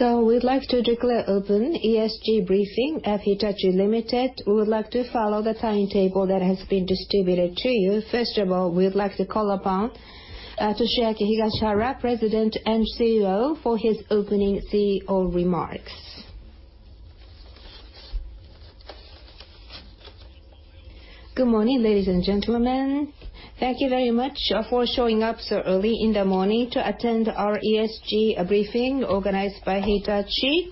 We'd like to declare open ESG briefing of Hitachi, Ltd. We would like to follow the timetable that has been distributed to you. First of all, we'd like to call upon Toshiaki Higashihara, President and CEO, for his opening CEO remarks. Good morning, ladies and gentlemen. Thank you very much for showing up so early in the morning to attend our ESG briefing organized by Hitachi.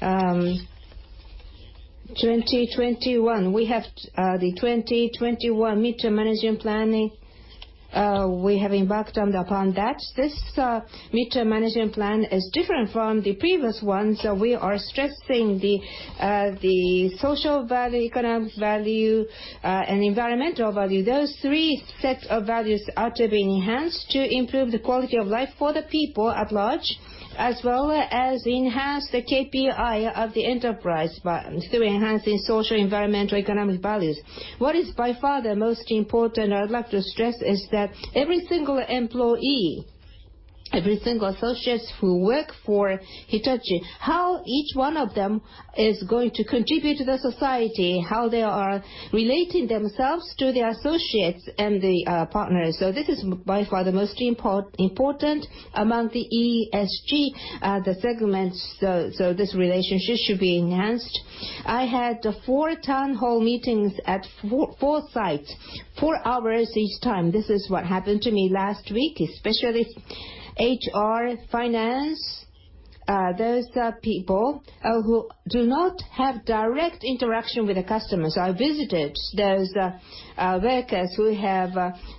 2021, we have the 2021 midterm management planning. We have embarked upon that. This midterm management plan is different from the previous ones. We are stressing the social value, economic value, and environmental value. Those three sets of values are to be enhanced to improve the quality of life for the people at large, as well as enhance the KPI of the enterprise, through enhancing social, environmental, economic values. What is by far the most important, I would like to stress, is that every single employee, every single associate who works for Hitachi, how each one of them is going to contribute to society, how they are relating themselves to their associates and their partners. This is by far the most important among the ESG segments. This relationship should be enhanced. I had four town hall meetings at four sites, four hours each time. This is what happened to me last week, especially HR, finance. Those are people who do not have direct interaction with the customers. I visited those workers who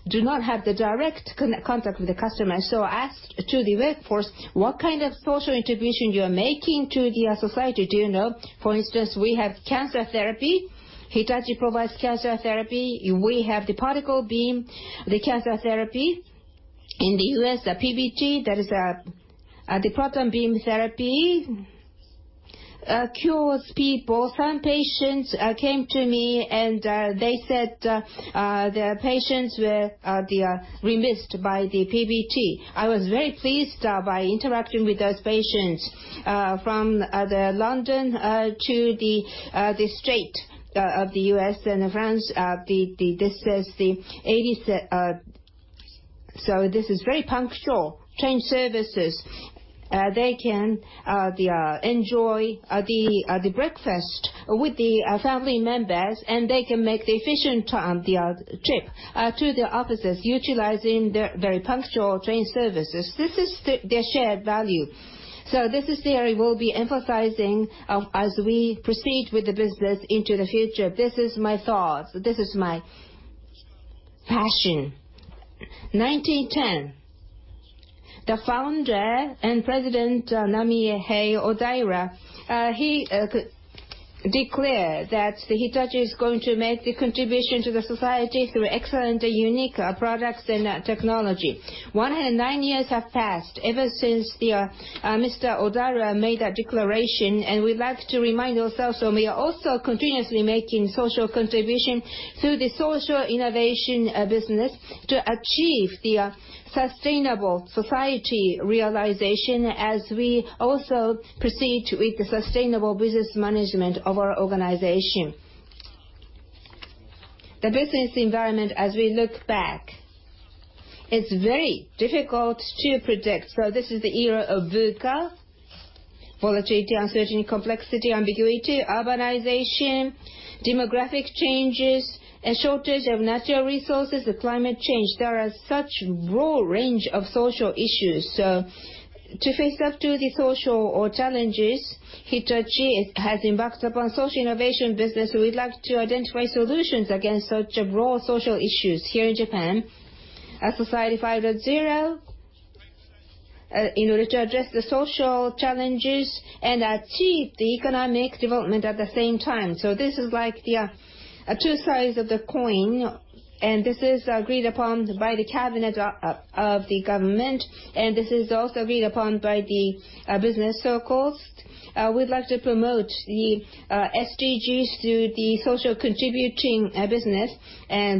do not have the direct contact with the customers. Asked the workforce, "What kind of social integration you are making to the society, do you know?" For instance, we have cancer therapy. Hitachi provides cancer therapy. We have the particle beam, the cancer therapy. In the U.S., PBT, that is the proton beam therapy, cures people. Some patients came to me, and they said the patients were remissed by the PBT. I was very pleased by interacting with those patients, from London to the straight of the U.S. and France. This is very punctual train services. They can enjoy breakfast with family members, and they can make the efficient trip to the offices, utilizing their very punctual train services. This is their shared value. This is the area we'll be emphasizing as we proceed with the business into the future. This is my thought. This is my passion. 1910, the founder and president, Namihei Odaira, he declared that Hitachi is going to make the contribution to the society through excellent, unique products and technology. 109 years have passed ever since Mr. Odaira made that declaration, we'd like to remind ourselves that we are also continuously making social contribution through the social innovation business to achieve the sustainable society realization, as we also proceed with the sustainable business management of our organization. The business environment, as we look back, it's very difficult to predict. This is the era of VUCA, volatility, uncertainty, complexity, ambiguity, urbanization, demographic changes, a shortage of natural resources, climate change. There are such broad range of social issues. To face up to the social challenges, Hitachi has embarked upon social innovation business. We would like to identify solutions against such broad social issues here in Japan. A Society 5.0, in order to address the social challenges and achieve the economic development at the same time. This is like the two sides of the coin, this is agreed upon by the cabinet of the government, this is also agreed upon by the business circles. We would like to promote the SDGs through the social contributing business.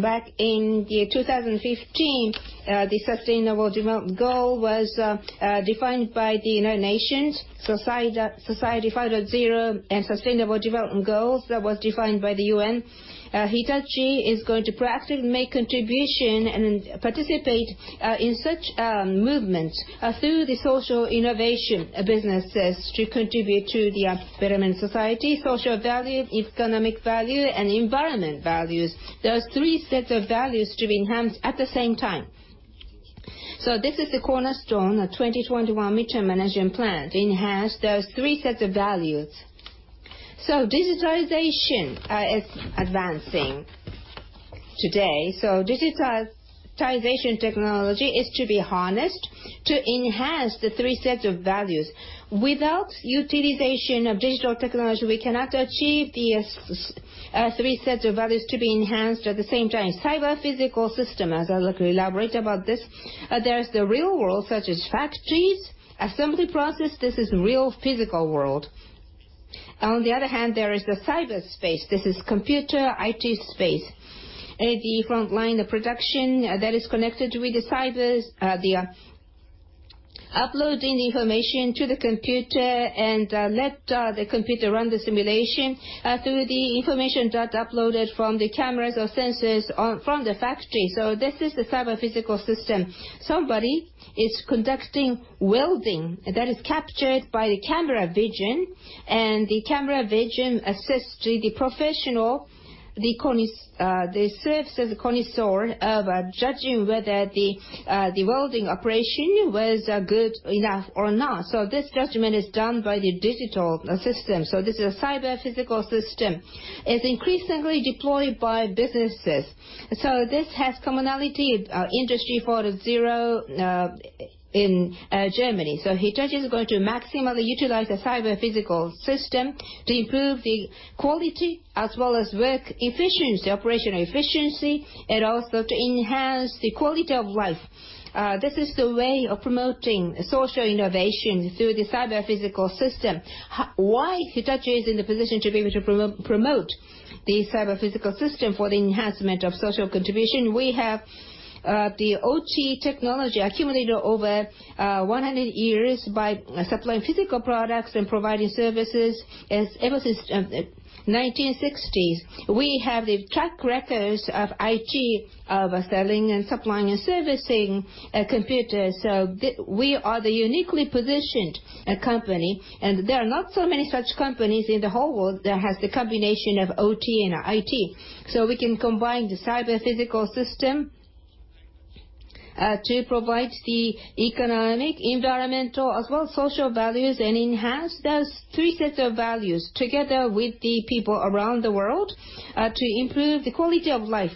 Back in 2015, the Sustainable Development Goal was defined by the United Nations. Society 5.0 and Sustainable Development Goals, that was defined by the UN. Hitachi is going to practically make contribution and participate in such a movement through the social innovation businesses to contribute to the betterment society, social value, economic value, and environment values. Those three sets of values to be enhanced at the same time. This is the cornerstone of 2021 midterm management plan, to enhance those three sets of values. Digitalization is advancing today. Digitalization technology is to be harnessed to enhance the three sets of values. Without utilization of digital technology, we cannot achieve these three sets of values to be enhanced at the same time. Cyber-physical system, as I will elaborate about this, there is the real world, such as factories, assembly process. This is real physical world. On the other hand, there is the cyberspace. This is computer, IT space. The front line of production that is connected with the cybers, they are uploading the information to the computer and let the computer run the simulation through the information that is uploaded from the cameras or sensors from the factory. This is the cyber-physical system. Somebody is conducting welding that is captured by the camera vision, and the camera vision assists the professional. They serve as a connoisseur of judging whether the welding operation was good enough or not. This judgment is done by the digital system. This is a cyber-physical system. It is increasingly deployed by businesses. This has commonality, Industry 4.0, in Germany. Hitachi is going to maximally utilize the cyber-physical system to improve the quality as well as work efficiency, operational efficiency, and also to enhance the quality of life. This is the way of promoting social innovation through the cyber-physical system, why Hitachi is in the position to be able to promote the cyber-physical system for the enhancement of social contribution. We have the OT technology accumulated over 100 years by supplying physical products and providing services ever since 1960s. We have the track records of IT, of selling and supplying and servicing computers. We are the uniquely positioned company, and there are not so many such companies in the whole world that has the combination of OT and IT. We can combine the cyber-physical system to provide the economic, environmental, as well as social values, and enhance those three sets of values together with the people around the world, to improve the quality of life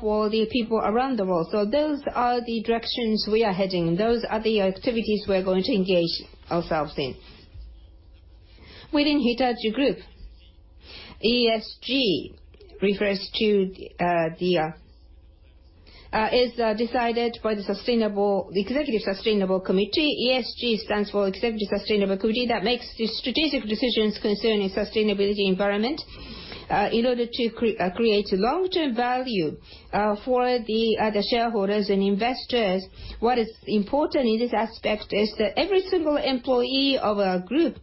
for the people around the world. Those are the directions we are heading in. Those are the activities we are going to engage ourselves in. Within Hitachi Group, ESG is decided by the Executive Sustainability Committee. ESG stands for Executive Sustainability Committee, that makes the strategic decisions concerning sustainability environment, in order to create long-term value for the shareholders and investors. What is important in this aspect is that every single employee of a group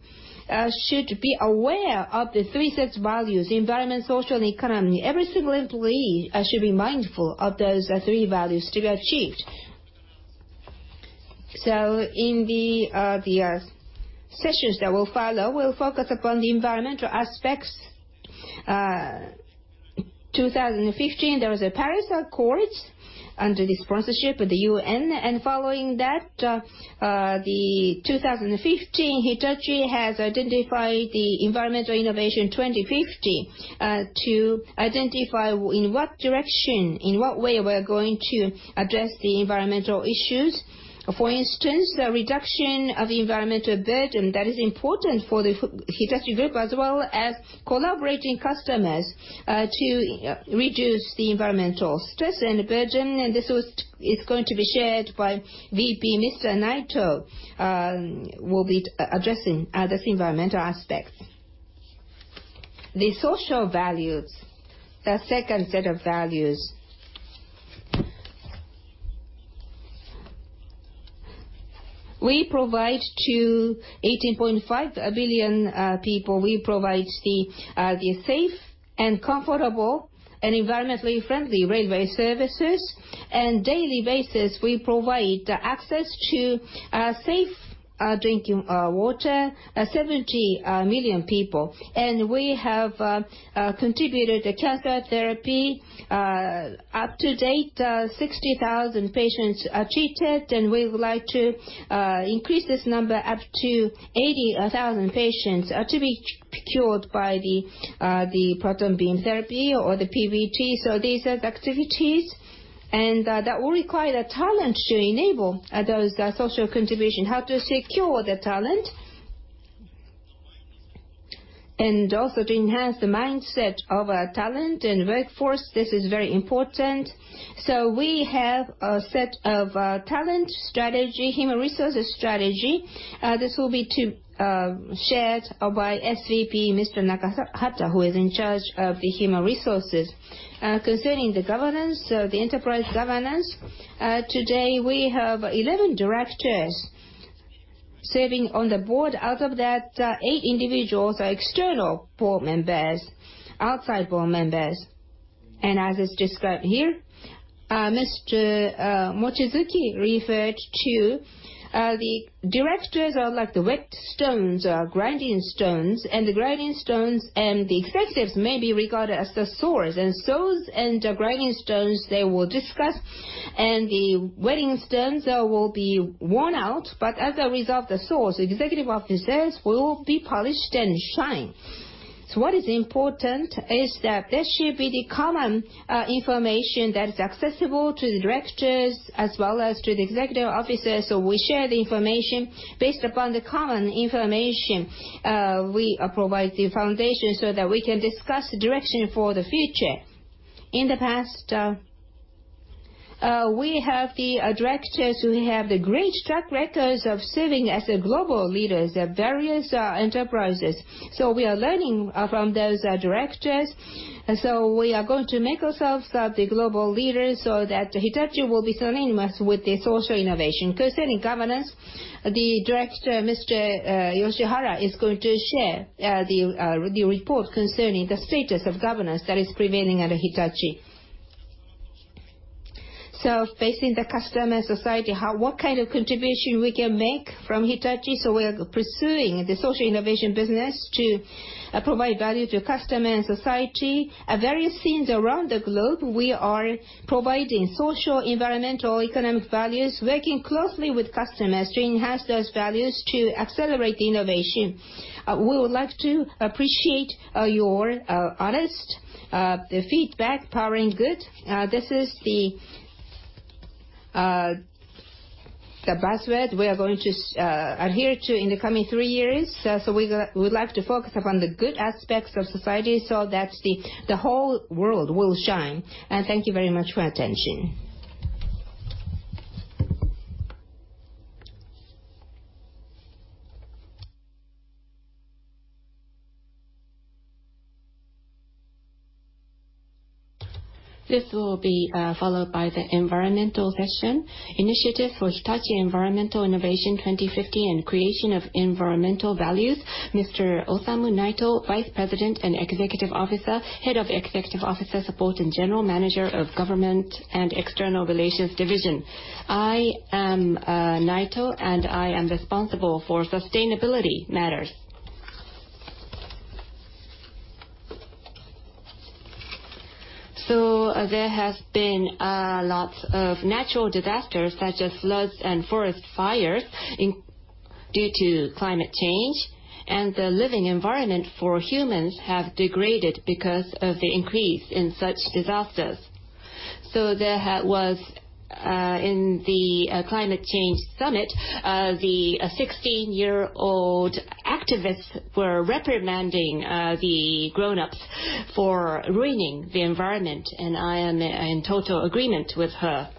should be aware of the three sets of values, environment, social, and economy. Every single employee should be mindful of those three values to be achieved. In the sessions that will follow, we will focus upon the environmental aspects. In 2015, there was a Paris Accords under the sponsorship of the U.N., and following that, in 2015, Hitachi has identified the Hitachi Environmental Innovation 2050, to identify in what direction, in what way we are going to address the environmental issues. For instance, the reduction of the environmental burden that is important for the Hitachi Group, as well as collaborating customers, to reduce the environmental stress and burden. This is going to be shared by Vice President Mr. Naito, will be addressing this environmental aspect. The social values, the second set of values. We provide to 18.5 billion people, we provide the safe and comfortable and environmentally friendly railway services. Daily basis, we provide access to safe drinking water, 70 million people. We have contributed to cancer therapy. Up to date, 60,000 patients are treated, and we would like to increase this number up to 80,000 patients to be cured by the proton beam therapy or the PBT. These are the activities, and that will require the talent to enable those social contribution. How to secure the talent, and also to enhance the mindset of talent and workforce, this is very important. We have a set of talent strategy, human resources strategy. This will be shared by Senior Vice President Mr. Nakahata, who is in charge of the human resources. Concerning the governance, the enterprise governance, today we have 11 directors serving on the board. Out of that, eight individuals are external board members, outside board members. As is described here, Mr. Mochizuki referred to the directors are like the whet stones or grinding stones, and the grinding stones and the executives may be regarded as the swords. Swords and the grinding stones, they will discuss, and the whetting stones will be worn out, but as a result, the swords, executive officers, will be polished and shine. What is important is that there should be the common information that is accessible to the directors as well as to the executive officers. We share the information based upon the common information. We provide the foundation so that we can discuss the direction for the future. In the past, we have the directors who have great track records of serving as global leaders at various enterprises. We are learning from those directors. We are going to make ourselves the global leader so that Hitachi will be synonymous with social innovation. Concerning governance, the director, Mr. Yoshihara, is going to share the report concerning the status of governance that is prevailing at Hitachi. Facing the customer society, what kind of contribution we can make from Hitachi. We are pursuing the social innovation business to provide value to customer and society. At various scenes around the globe, we are providing social, environmental, economic values, working closely with customers to enhance those values to accelerate innovation. We would like to appreciate your honest feedback. Powering Good, this is the buzzword we are going to adhere to in the coming three years. We would like to focus upon the good aspects of society so that the whole world will shine. Thank you very much for your attention. This will be followed by the environmental session initiative for Hitachi Environmental Innovation 2050 and Creation of Environmental Values. Mr. Osamu Naito, Vice President and Executive Officer, Head of Executive Officer Support, and General Manager of Government and External Relations Division. I am Naito, and I am responsible for sustainability matters. There have been lots of natural disasters, such as floods and forest fires, due to climate change, and the living environment for humans have degraded because of the increase in such disasters. There was, in the Climate Change Summit, the 16-year-old activists were reprimanding the grown-ups for ruining the environment, and I am in total agreement with her.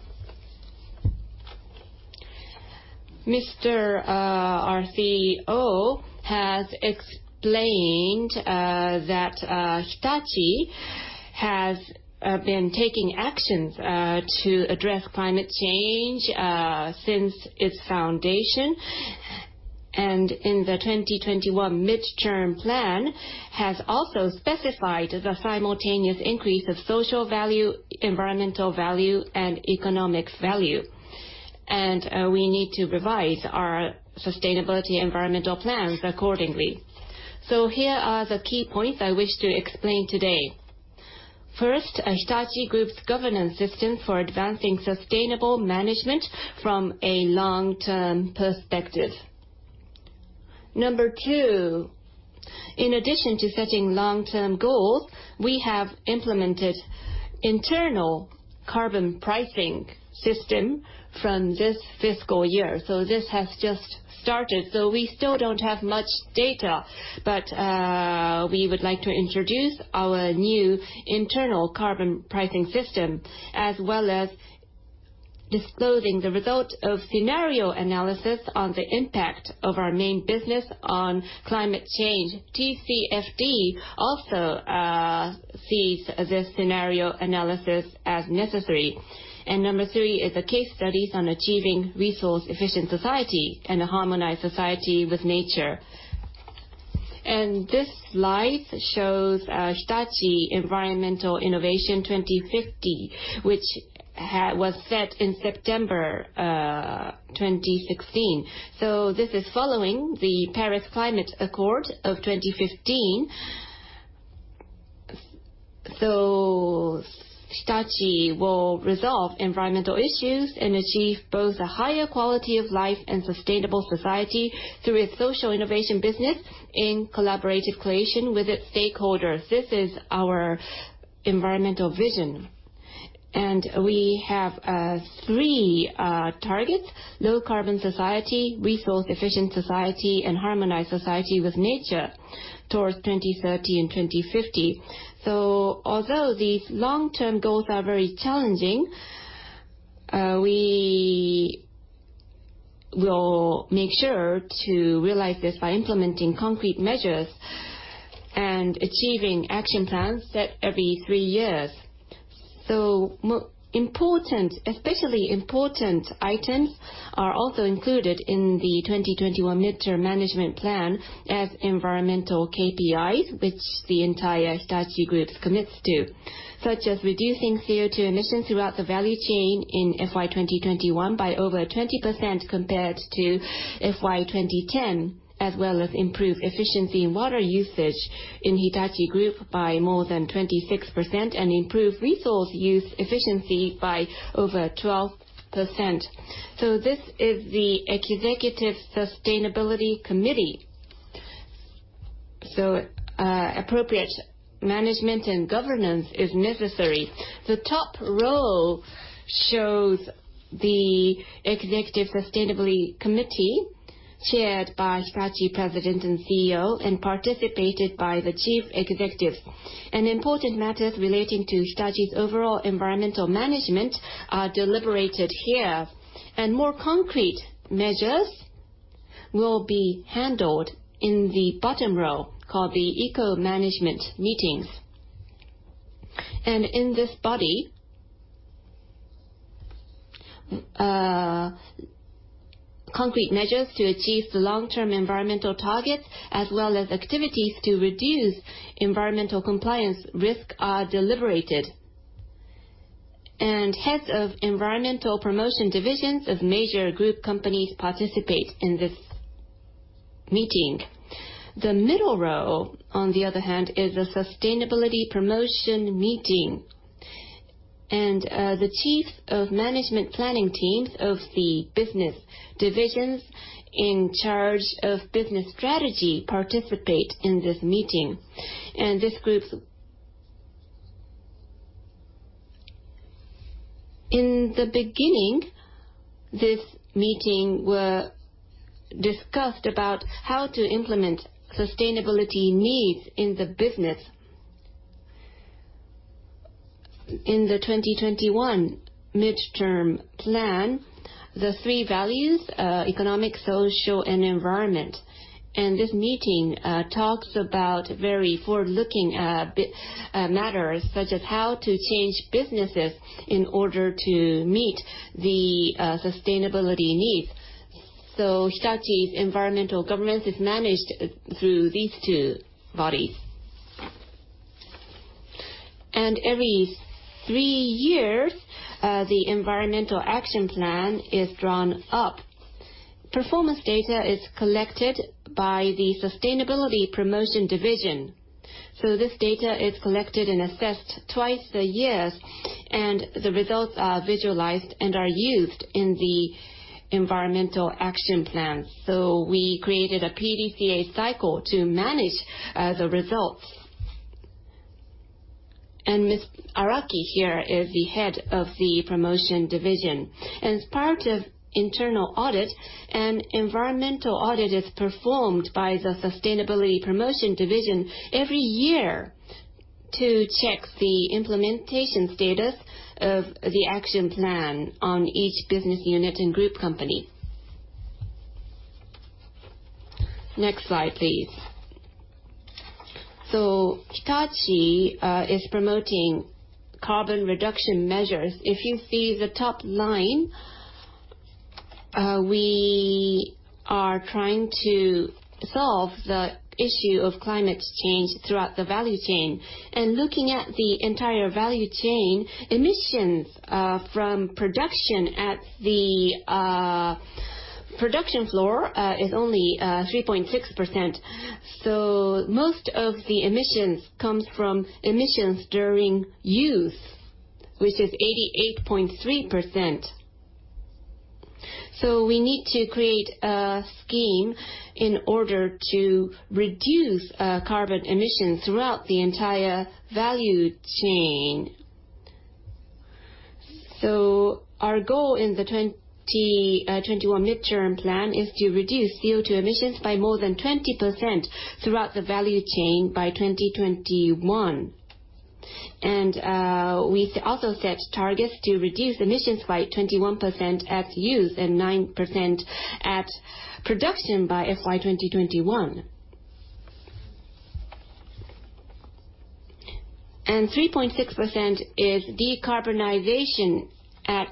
Our CEO has explained that Hitachi has been taking actions to address climate change since its foundation, and in the 2021 Mid-Term Plan, has also specified the simultaneous increase of social value, environmental value, and economic value. We need to revise our sustainability environmental plans accordingly. Here are the key points I wish to explain today. First, Hitachi Group's governance system for advancing sustainable management from a long-term perspective. Number two, in addition to setting long-term goals, we have implemented internal carbon pricing system from this fiscal year. This has just started, so we still don't have much data. We would like to introduce our new internal carbon pricing system, as well as disclosing the result of scenario analysis on the impact of our main business on climate change. TCFD also sees this scenario analysis as necessary. Number three is the case studies on achieving resource-efficient society and a harmonized society with nature. This slide shows Hitachi Environmental Innovation 2050, which was set in September 2016. This is following the Paris Climate Accord of 2015. Hitachi will resolve environmental issues and achieve both a higher quality of life and sustainable society through its social innovation business in collaborative creation with its stakeholders. This is our environmental vision. We have three targets, low carbon society, resource-efficient society, and harmonized society with nature towards 2030 and 2050. Although these long-term goals are very challenging, we will make sure to realize this by implementing concrete measures and achieving action plans set every three years. Especially important items are also included in the 2021 Mid-Term Management Plan as environmental KPIs, which the entire Hitachi Group commits to, such as reducing CO2 emissions throughout the value chain in FY 2021 by over 20% compared to FY 2010, as well as improve efficiency in water usage in Hitachi Group by more than 26% and improve resource use efficiency by over 12%. This is the Executive Sustainability Committee. Appropriate management and governance is necessary. The top row shows the Executive Sustainability Committee, chaired by Hitachi President and CEO and participated by the chief executive. Important matters relating to Hitachi's overall environmental management are deliberated here, and more concrete measures will be handled in the bottom row, called the Eco Management Meetings. In this body, concrete measures to achieve the long-term environmental targets as well as activities to reduce environmental compliance risk are deliberated. Heads of environmental promotion divisions of major group companies participate in this meeting. The middle row, on the other hand, is the Sustainability Promotion Meeting, and the chiefs of management planning teams of the business divisions in charge of business strategy participate in this meeting. This group In the beginning, this meeting discussed about how to implement sustainability needs in the business. In the 2021 midterm plan, the three values, economic, social, and environment. This meeting talks about very forward-looking matters such as how to change businesses in order to meet the sustainability needs. Hitachi's environmental governance is managed through these two bodies. Every three years, the environmental action plan is drawn up. Performance data is collected by the Sustainability Promotion Division. This data is collected and assessed twice a year, and the results are visualized and are used in the environmental action plan. We created a PDCA cycle to manage the results. Ms. Araki here is the head of the Promotion Division. As part of internal audit, an environmental audit is performed by the Sustainability Promotion Division every year to check the implementation status of the action plan on each business unit and group company. Next slide, please. Hitachi is promoting carbon reduction measures. If you see the top line, we are trying to solve the issue of climate change throughout the value chain. Looking at the entire value chain, emissions from production at the production floor is only 3.6%. Most of the emissions comes from emissions during use, which is 88.3%. We need to create a scheme in order to reduce carbon emissions throughout the entire value chain. Our goal in the 2021 midterm plan is to reduce CO2 emissions by more than 20% throughout the value chain by 2021. We also set targets to reduce emissions by 21% at use and 9% at production by FY 2021. 3.6% is decarbonization at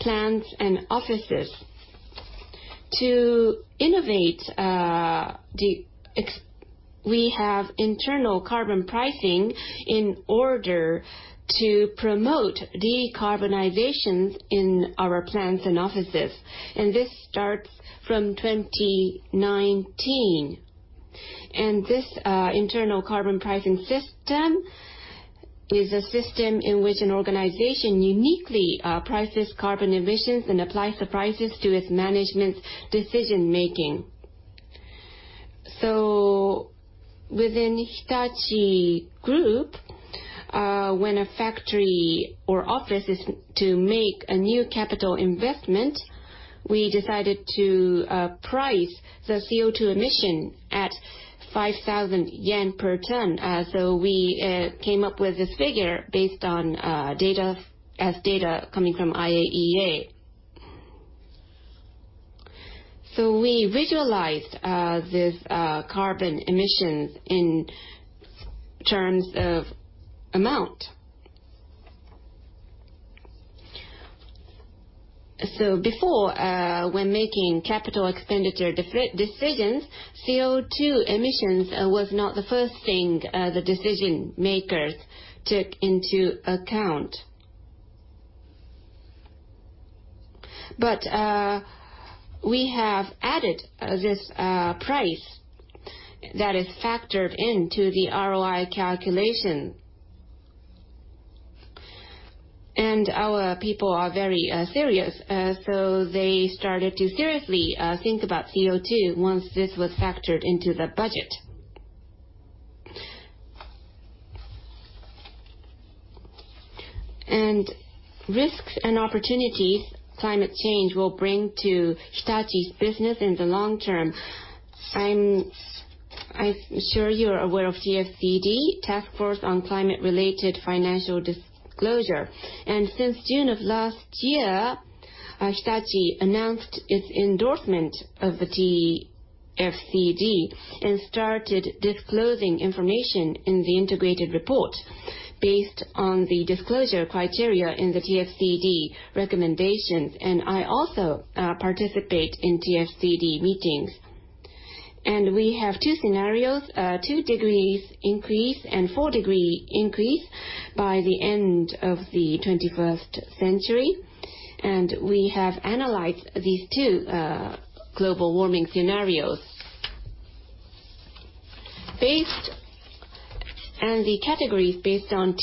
plants and offices. To innovate, we have internal carbon pricing in order to promote decarbonization in our plants and offices, and this starts from 2019. This internal carbon pricing system is a system in which an organization uniquely prices carbon emissions and applies the prices to its management decision-making. Within Hitachi Group, when a factory or office is to make a new capital investment, we decided to price the CO2 emission at 5,000 yen per ton. We came up with this figure based on data coming from IEA. We visualized these carbon emissions in terms of amount. Before, when making capital expenditure decisions, CO2 emissions was not the first thing the decision-makers took into account. We have added this price that is factored into the ROI calculation. Our people are very serious, so they started to seriously think about CO2 once this was factored into the budget. Risks and opportunities climate change will bring to Hitachi's business in the long term. I'm sure you're aware of TCFD, Task Force on Climate-related Financial Disclosure. Since June of last year, Hitachi announced its endorsement of the TCFD and started disclosing information in the integrated report based on the disclosure criteria in the TCFD recommendations, and I also participate in TCFD meetings. We have two scenarios, a two degrees increase and four degree increase by the end of the 21st century, and we have analyzed these two global warming scenarios. The categories based on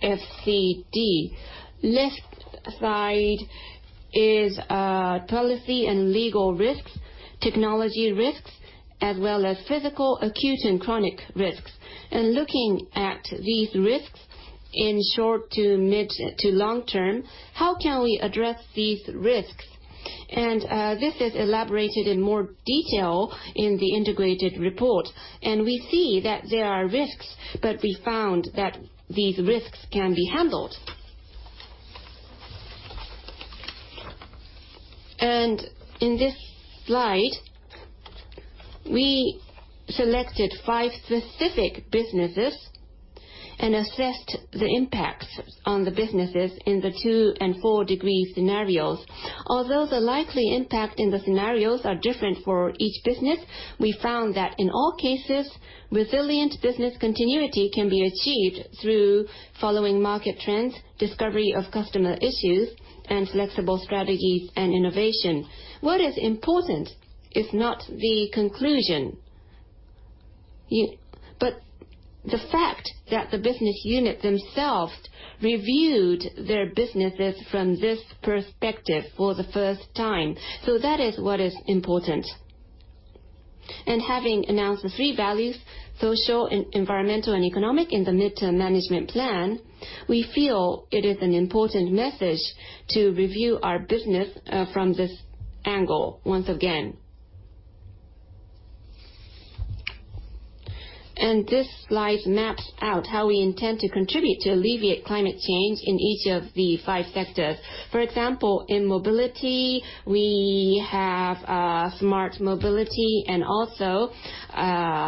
TCFD. Left side is policy and legal risks, technology risks, as well as physical, acute, and chronic risks. Looking at these risks in short to mid to long term, how can we address these risks? This is elaborated in more detail in the integrated report. We see that there are risks, but we found that these risks can be handled. In this slide, we selected five specific businesses and assessed the impacts on the businesses in the two and four degree scenarios. Although the likely impact in the scenarios are different for each business, we found that in all cases, resilient business continuity can be achieved through following market trends, discovery of customer issues, and flexible strategies and innovation. What is important is not the conclusion, but the fact that the business unit themselves reviewed their businesses from this perspective for the first time. That is what is important. Having announced the three values, social, environmental, and economic in the mid-term management plan, we feel it is an important message to review our business from this angle once again. This slide maps out how we intend to contribute to alleviate climate change in each of the five sectors. For example, in mobility, we have smart mobility and also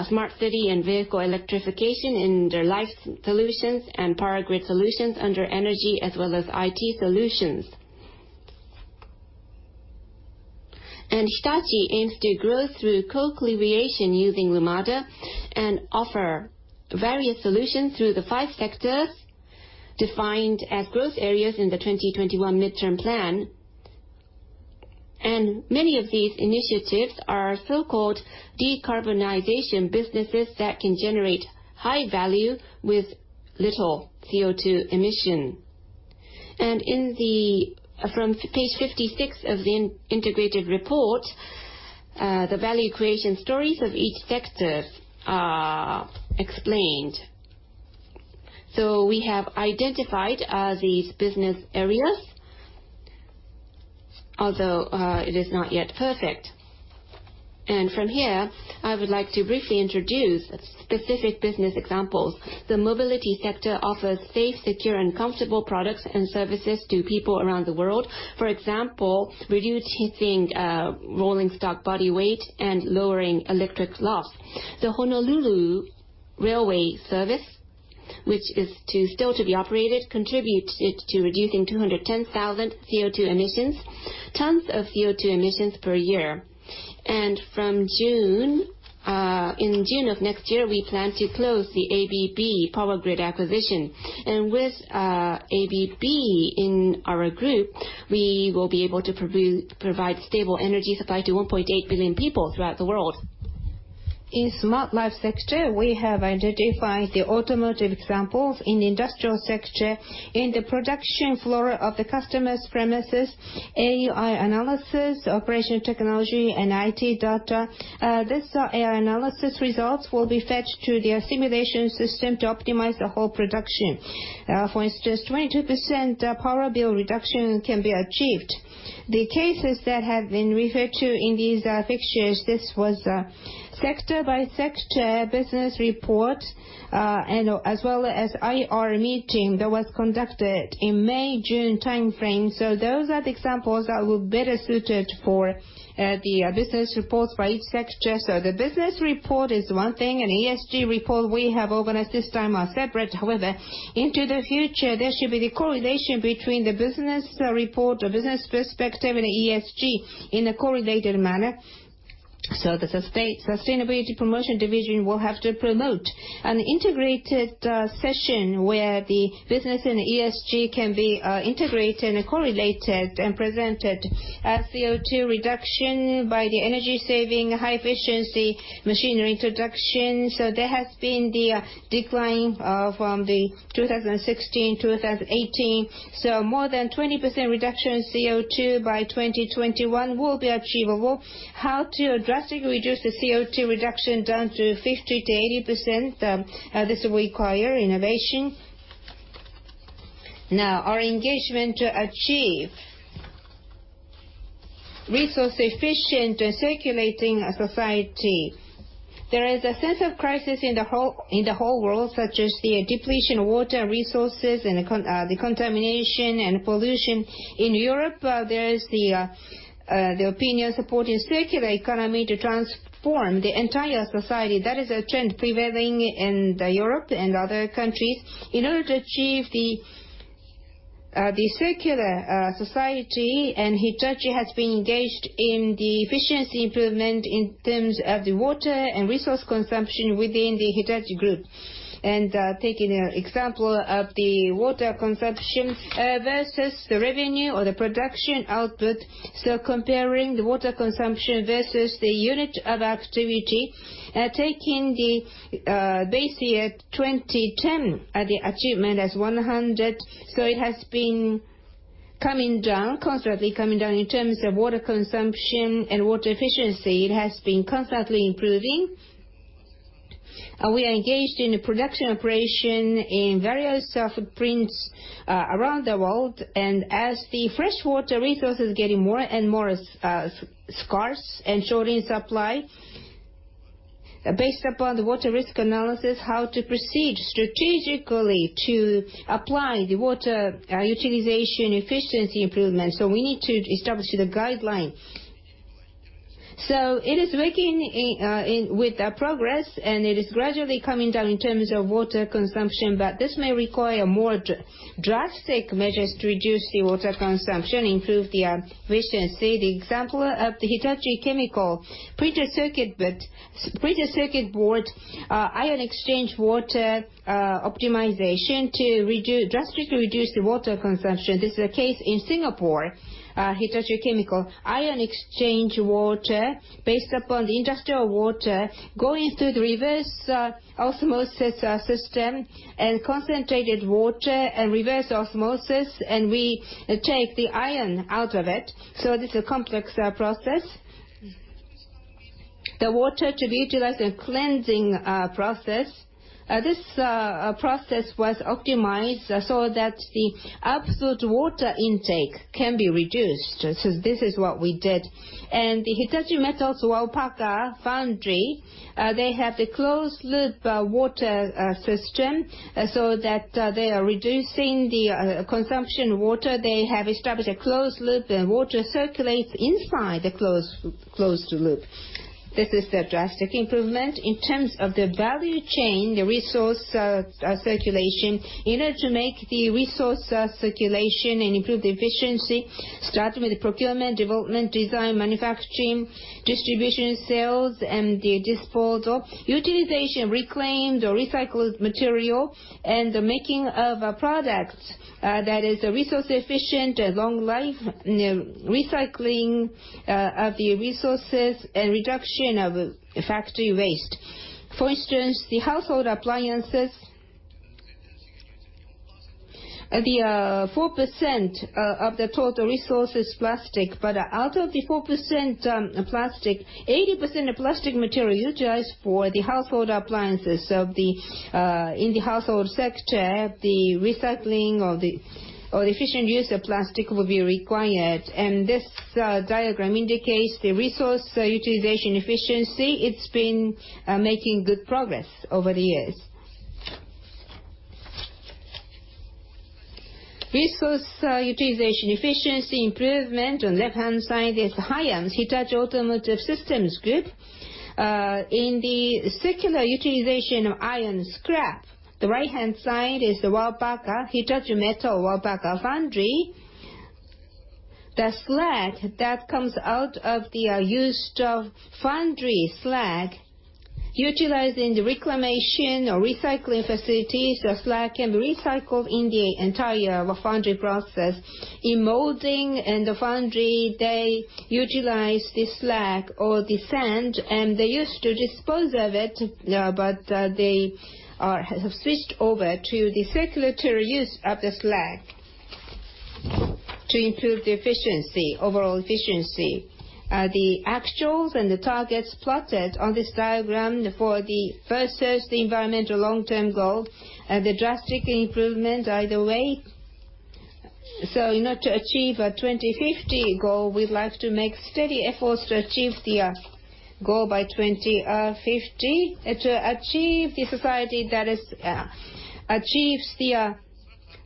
smart city and vehicle electrification under life solutions and power grid solutions under energy as well as IT solutions. Hitachi aims to grow through co-creation using Lumada and offer various solutions through the five sectors defined as growth areas in the 2021 midterm plan. Many of these initiatives are so-called decarbonization businesses that can generate high value with little CO2 emission. From page 56 of the integrated report, the value creation stories of each sector are explained. We have identified these business areas, although it is not yet perfect. From here, I would like to briefly introduce specific business examples. The mobility sector offers safe, secure, and comfortable products and services to people around the world. For example, reducing rolling stock body weight and lowering electric loss. The Honolulu railway service, which is still to be operated, contributed to reducing 210,000 tons of CO2 emissions per year. In June of next year, we plan to close the ABB power grid acquisition. With ABB in our group, we will be able to provide stable energy supply to 1.8 billion people throughout the world. In Smart Life sector, we have identified the automotive examples. In the industrial sector, in the production floor of the customer's premises, AI analysis, operation technology, and IT data. These AI analysis results will be fed to the assimilation system to optimize the whole production. For instance, 22% power bill reduction can be achieved. The cases that have been referred to in these pictures, this was a sector-by-sector business report, as well as IR meeting that was conducted in May, June timeframe. Those are the examples that were better suited for the business reports by each sector. The business report is one thing, and ESG report we have organized this time are separate. However, into the future, there should be the correlation between the business report or business perspective and ESG in a correlated manner. The Sustainability Promotion Division will have to promote an integrated session where the business and ESG can be integrated and correlated and presented. CO2 reduction by the energy saving, high efficiency machinery introduction. There has been the decline from the 2016, 2018. More than 20% reduction in CO2 by 2021 will be achievable. How to drastically reduce the CO2 reduction down to 50%-80%, this will require innovation. Our engagement to achieve resource efficient circulating society. There is a sense of crisis in the whole world, such as the depletion of water resources and the contamination and pollution. In Europe, there is the opinion supporting circular economy to transform the entire society. That is a trend prevailing in Europe and other countries. In order to achieve the circular society, Hitachi has been engaged in the efficiency improvement in terms of the water and resource consumption within the Hitachi Group. Taking an example of the water consumption versus the revenue or the production output. Comparing the water consumption versus the unit of activity, taking the base year 2010, the achievement is 100. It has been constantly coming down in terms of water consumption and water efficiency. It has been constantly improving. We are engaged in production operation in various footprints around the world. As the freshwater resource is getting more and more scarce and short in supply, based upon the water risk analysis, how to proceed strategically to apply the water utilization efficiency improvement. We need to establish the guidelines. It is making progress, it is gradually coming down in terms of water consumption, this may require more drastic measures to reduce the water consumption, improve the efficiency. The example of the Hitachi Chemical printed circuit board, ion exchange water optimization to drastically reduce the water consumption. This is a case in Singapore, Hitachi Chemical. Ion exchange water based upon the industrial water going through the reverse osmosis system and concentrated water and reverse osmosis, we take the ion out of it. This is a complex process. The water to be utilized a cleansing process. This process was optimized so that the absolute water intake can be reduced. This is what we did. Hitachi Metals Waupaca Foundry, they have a closed-loop water system so that they are reducing the consumption water. They have established a closed loop, the water circulates inside the closed loop. This is the drastic improvement in terms of the value chain, the resource circulation. In order to make the resource circulation, improve the efficiency, starting with the procurement, development, design, manufacturing, distribution, sales, and the disposal. Utilization of reclaimed or recycled material, the making of a product that is resource efficient, long life, recycling of the resources, reduction of factory waste. For instance, the household appliances. The 4% of the total resource is plastic, out of the 4% plastic, 80% of plastic material utilized for the household appliances. In the household sector, the recycling or the efficient use of plastic will be required. This diagram indicates the resource utilization efficiency. It's been making good progress over the years. Resource utilization efficiency improvement. On left-hand side is the HYAMS, Hitachi Automotive Systems group. In the circular utilization of iron scrap, the right-hand side is the Waupaca, Hitachi Metals Waupaca Foundry. The slag that comes out of the used foundry slag, utilizing the reclamation or recycling facilities, the slag can be recycled in the entire foundry process. In molding and the foundry, they utilize the slag or the sand, and they used to dispose of it, but they have switched over to the circulatory use of the slag to improve the overall efficiency. The actuals and the targets plotted on this diagram for the first search, the environmental long-term goal, the drastic improvement either way. In order to achieve a 2050 goal, we'd like to make steady efforts to achieve the goal by 2050, to achieve the society that achieves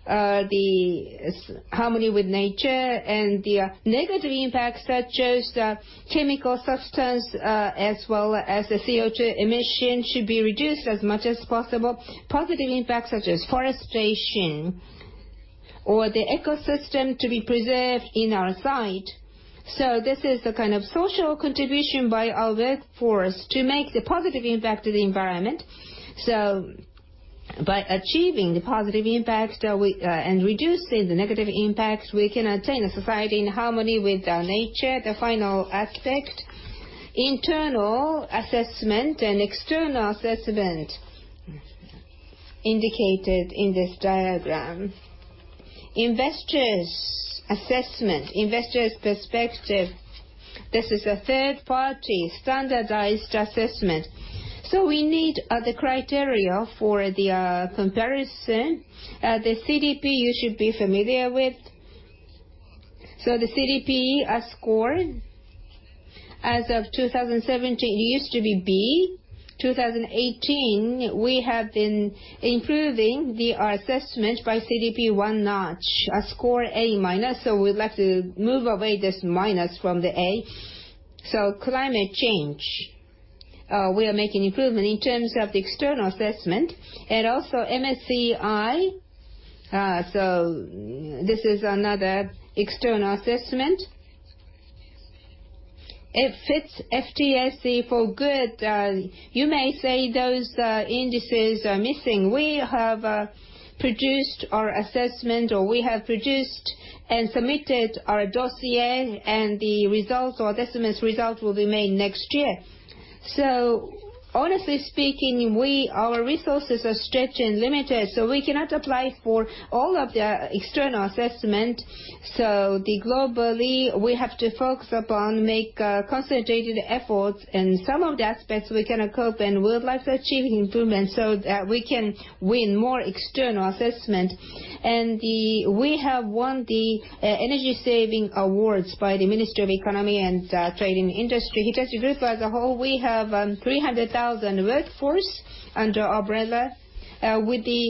the harmony with nature and the negative impacts such as chemical substance, as well as the CO2 emission should be reduced as much as possible. Positive impacts such as forestation or the ecosystem to be preserved in our site. This is the kind of social contribution by our workforce to make the positive impact to the environment. By achieving the positive impact and reducing the negative impacts, we can attain a society in harmony with nature, the final aspect. Internal assessment and external assessment indicated in this diagram. Investors' assessment, investors' perspective This is a third-party standardized assessment. We need the criteria for the comparison. The CDP you should be familiar with. The CDP score as of 2017, it used to be B. 2018, we have been improving the assessment by CDP one notch, a score A minus, we'd like to move away this minus from the A. Climate change, we are making improvement in terms of the external assessment and also MSCI. This is another external assessment. It's FTSE4Good. You may say those indices are missing. We have produced our assessment, or we have produced and submitted our dossier, and the results or assessment results will be made next year. Honestly speaking, our resources are stretched and limited, we cannot apply for all of the external assessment. Globally, we have to focus upon make concentrated efforts in some of the aspects we can cope, and we would like to achieve improvement so that we can win more external assessment. We have won the energy saving awards by the Ministry of Economy, Trade and Industry. Hitachi Group, as a whole, we have 300,000 workforce under our umbrella. With the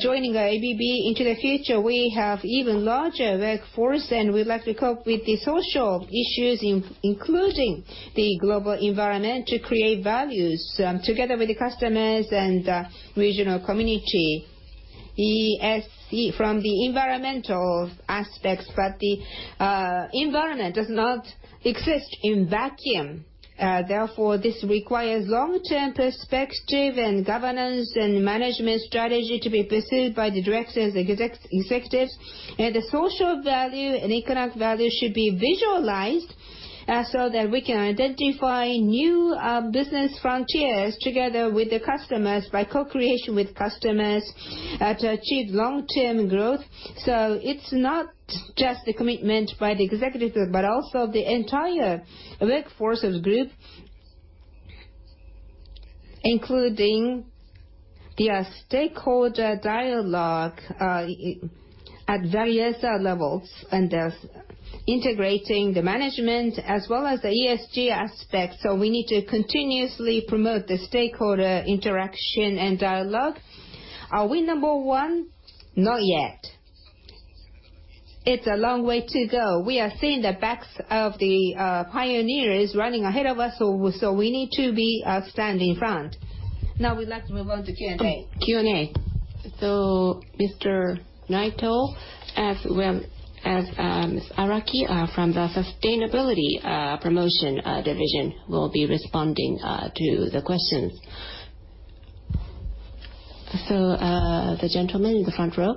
joining ABB into the future, we have even larger workforce, we'd like to cope with the social issues, including the global environment, to create values together with the customers and regional community. ESG from the environmental aspects. The environment does not exist in vacuum. Therefore, this requires long-term perspective and governance and management strategy to be pursued by the directors, executives. The social value and economic value should be visualized so that we can identify new business frontiers together with the customers by co-creation with customers to achieve long-term growth. It's not just the commitment by the executives, but also the entire workforce of the group, including the stakeholder dialogue at various levels and thus integrating the management as well as the ESG aspect. We need to continuously promote the stakeholder interaction and dialogue. Are we number one? Not yet. It's a long way to go. We are seeing the backs of the pioneers running ahead of us, so we need to be standing front. Now we'd like to move on to Q&A. Q&A. Mr. Naito, as well as Ms. Araki from the Sustainability Promotion Division, will be responding to the questions. The gentleman in the front row.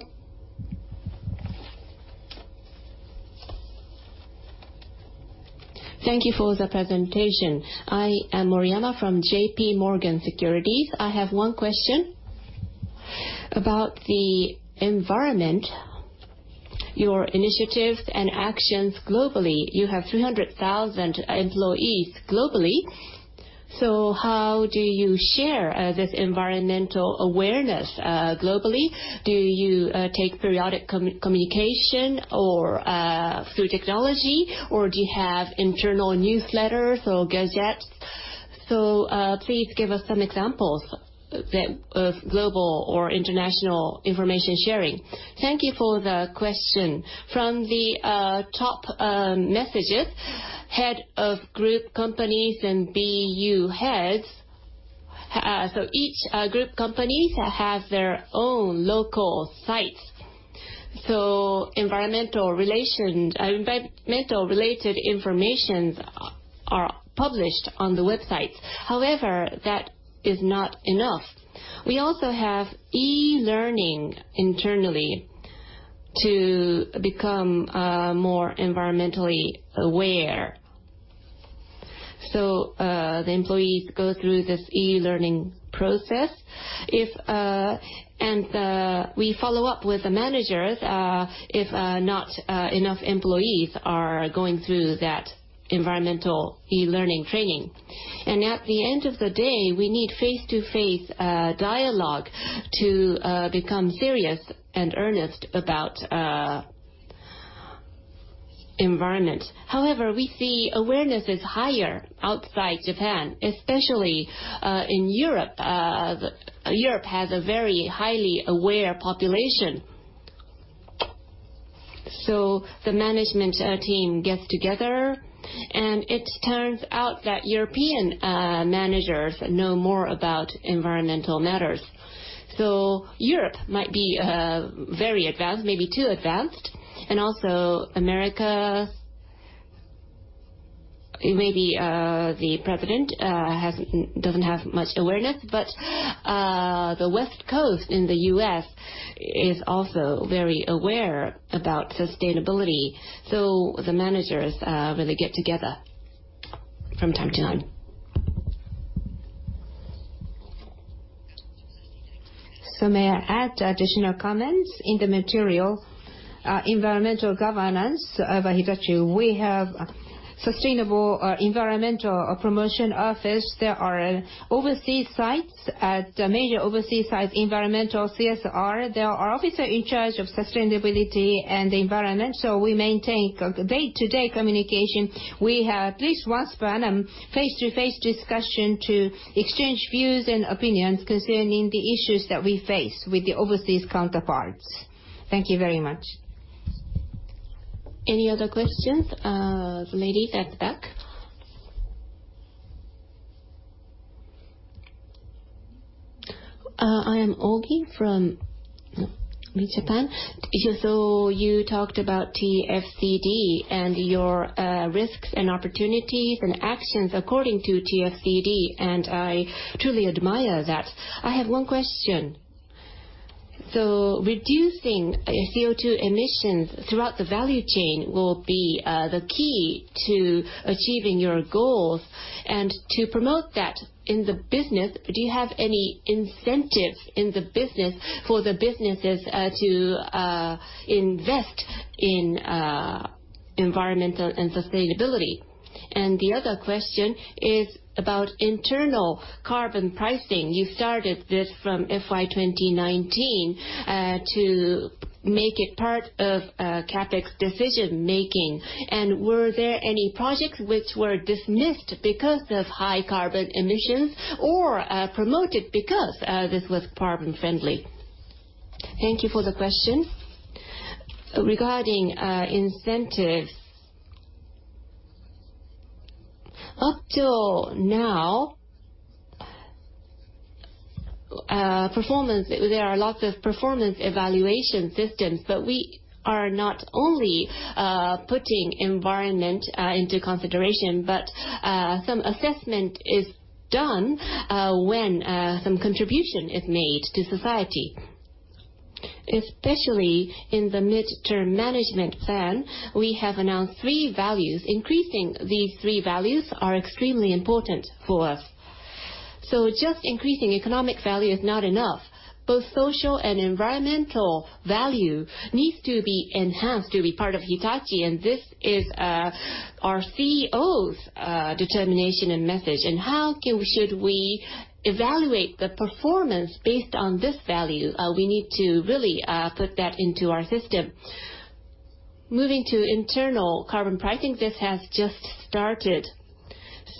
Thank you for the presentation. I am Moriyama from JPMorgan Securities. I have one question about the environment, your initiatives and actions globally. You have 300,000 employees globally. How do you share this environmental awareness globally? Do you take periodic communication or through technology, or do you have internal newsletters or gazettes? Please give us some examples of global or international information sharing. Thank you for the question. From the top messages, head of group companies and BU heads. Each group companies have their own local sites. Environmental-related information is published on the websites. However, that is not enough. We also have e-learning internally to become more environmentally aware. The employees go through this e-learning process. We follow up with the managers if not enough employees are going through that environmental e-learning training. At the end of the day, we need face-to-face dialogue to become serious and earnest about environment. However, we see awareness is higher outside Japan, especially in Europe. Europe has a very highly aware population. The management team gets together, and it turns out that European managers know more about environmental matters. Europe might be very advanced, maybe too advanced. Also America, maybe the president doesn't have much awareness, but the West Coast in the U.S. is also very aware about sustainability. The managers really get together from time to time. May I add additional comments? In the material environmental governance of Hitachi, we have sustainable environmental promotion office. There are overseas sites. At major overseas sites, environmental CSR, there are officer in charge of sustainability and the environment, so we maintain day-to-day communication. We have at least once per annum face-to-face discussion to exchange views and opinions concerning the issues that we face with the overseas counterparts. Thank you very much. Any other questions? The lady at the back. I am Ogi from Nikkei Japan. You talked about TCFD and your risks and opportunities and actions according to TCFD, and I truly admire that. I have one question. Reducing CO2 emissions throughout the value chain will be the key to achieving your goals. To promote that in the business, do you have any incentives in the business for the businesses to invest in environmental and sustainability? The other question is about internal carbon pricing. You started this from FY 2019, to make it part of CapEx decision-making. Were there any projects which were dismissed because of high carbon emissions or promoted because this was carbon-friendly? Thank you for the question. Regarding incentives, up till now, there are lots of performance evaluation systems, but we are not only putting environment into consideration, but some assessment is done when some contribution is made to society. Especially in the mid-term management plan, we have announced three values. Increasing these three values are extremely important for us. Just increasing economic value is not enough. Both social and environmental value needs to be enhanced to be part of Hitachi, and this is our CEO's determination and message. How should we evaluate the performance based on this value? We need to really put that into our system. Moving to internal carbon pricing, this has just started.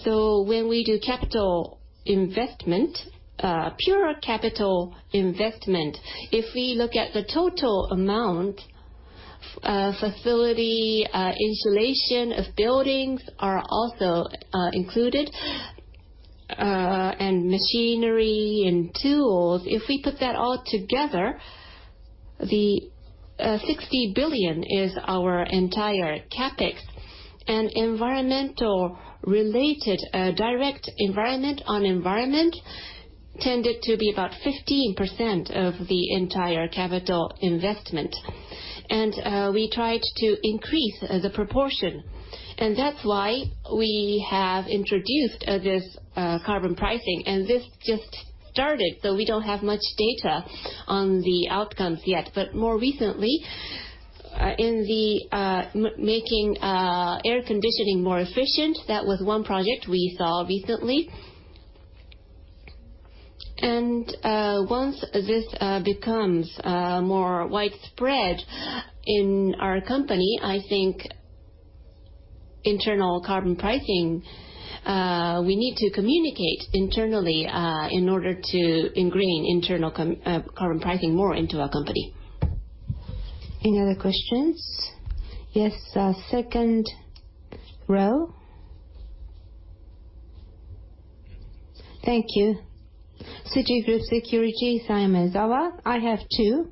When we do capital investment, pure capital investment, if we look at the total amount, facility insulation of buildings are also included, and machinery and tools. If we put that all together, the 60 billion is our entire CapEx. Environmental related, direct environment on environment, tended to be about 15% of the entire capital investment. We tried to increase the proportion, and that's why we have introduced this carbon pricing, and this just started, so we don't have much data on the outcomes yet. More recently, in the making air conditioning more efficient, that was one project we saw recently. Once this becomes more widespread in our company, I think internal carbon pricing, we need to communicate internally in order to ingrain internal carbon pricing more into our company. Any other questions? Yes, second row. Thank you. Citigroup Securities, Saya Maezawa. I have two.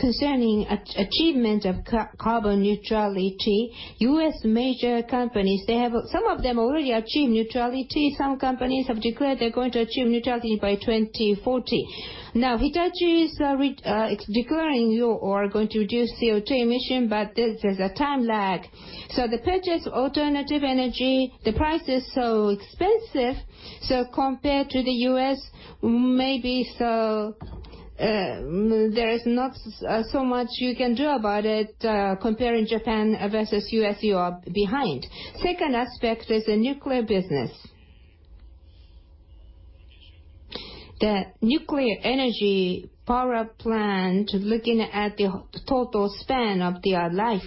Concerning achievement of carbon neutrality, U.S. major companies, some of them already achieve neutrality. Some companies have declared they're going to achieve neutrality by 2040. Hitachi is declaring you are going to reduce CO2 emission, but there's a time lag. The purchase alternative energy, the price is so expensive, so compared to the U.S., maybe there is not so much you can do about it. Comparing Japan versus U.S., you are behind. Second aspect is the nuclear business. The nuclear energy power plant, looking at the total span of their life,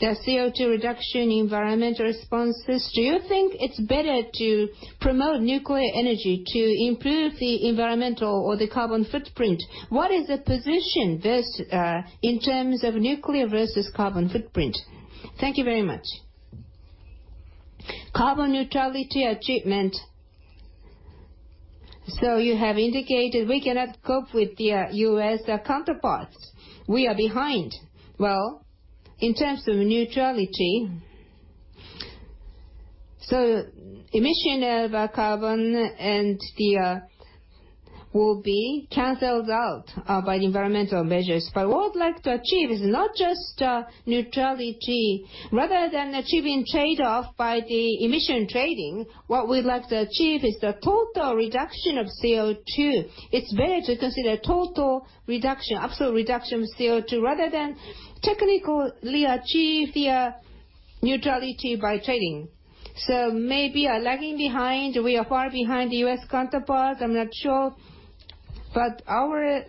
their CO2 reduction, environmental responses, do you think it's better to promote nuclear energy to improve the environmental or the carbon footprint? What is the position in terms of nuclear versus carbon footprint? Thank you very much. Carbon neutrality achievement. You have indicated we cannot cope with the U.S. counterparts. We are behind. In terms of neutrality, emission of carbon will be canceled out by the environmental measures. What we would like to achieve is not just neutrality. Rather than achieving trade-off by the emission trading, what we would like to achieve is the total reduction of CO2. It is better to consider total reduction, absolute reduction of CO2, rather than technically achieve the neutrality by trading. Maybe we are lagging behind, we are far behind the U.S. counterparts, I am not sure. Our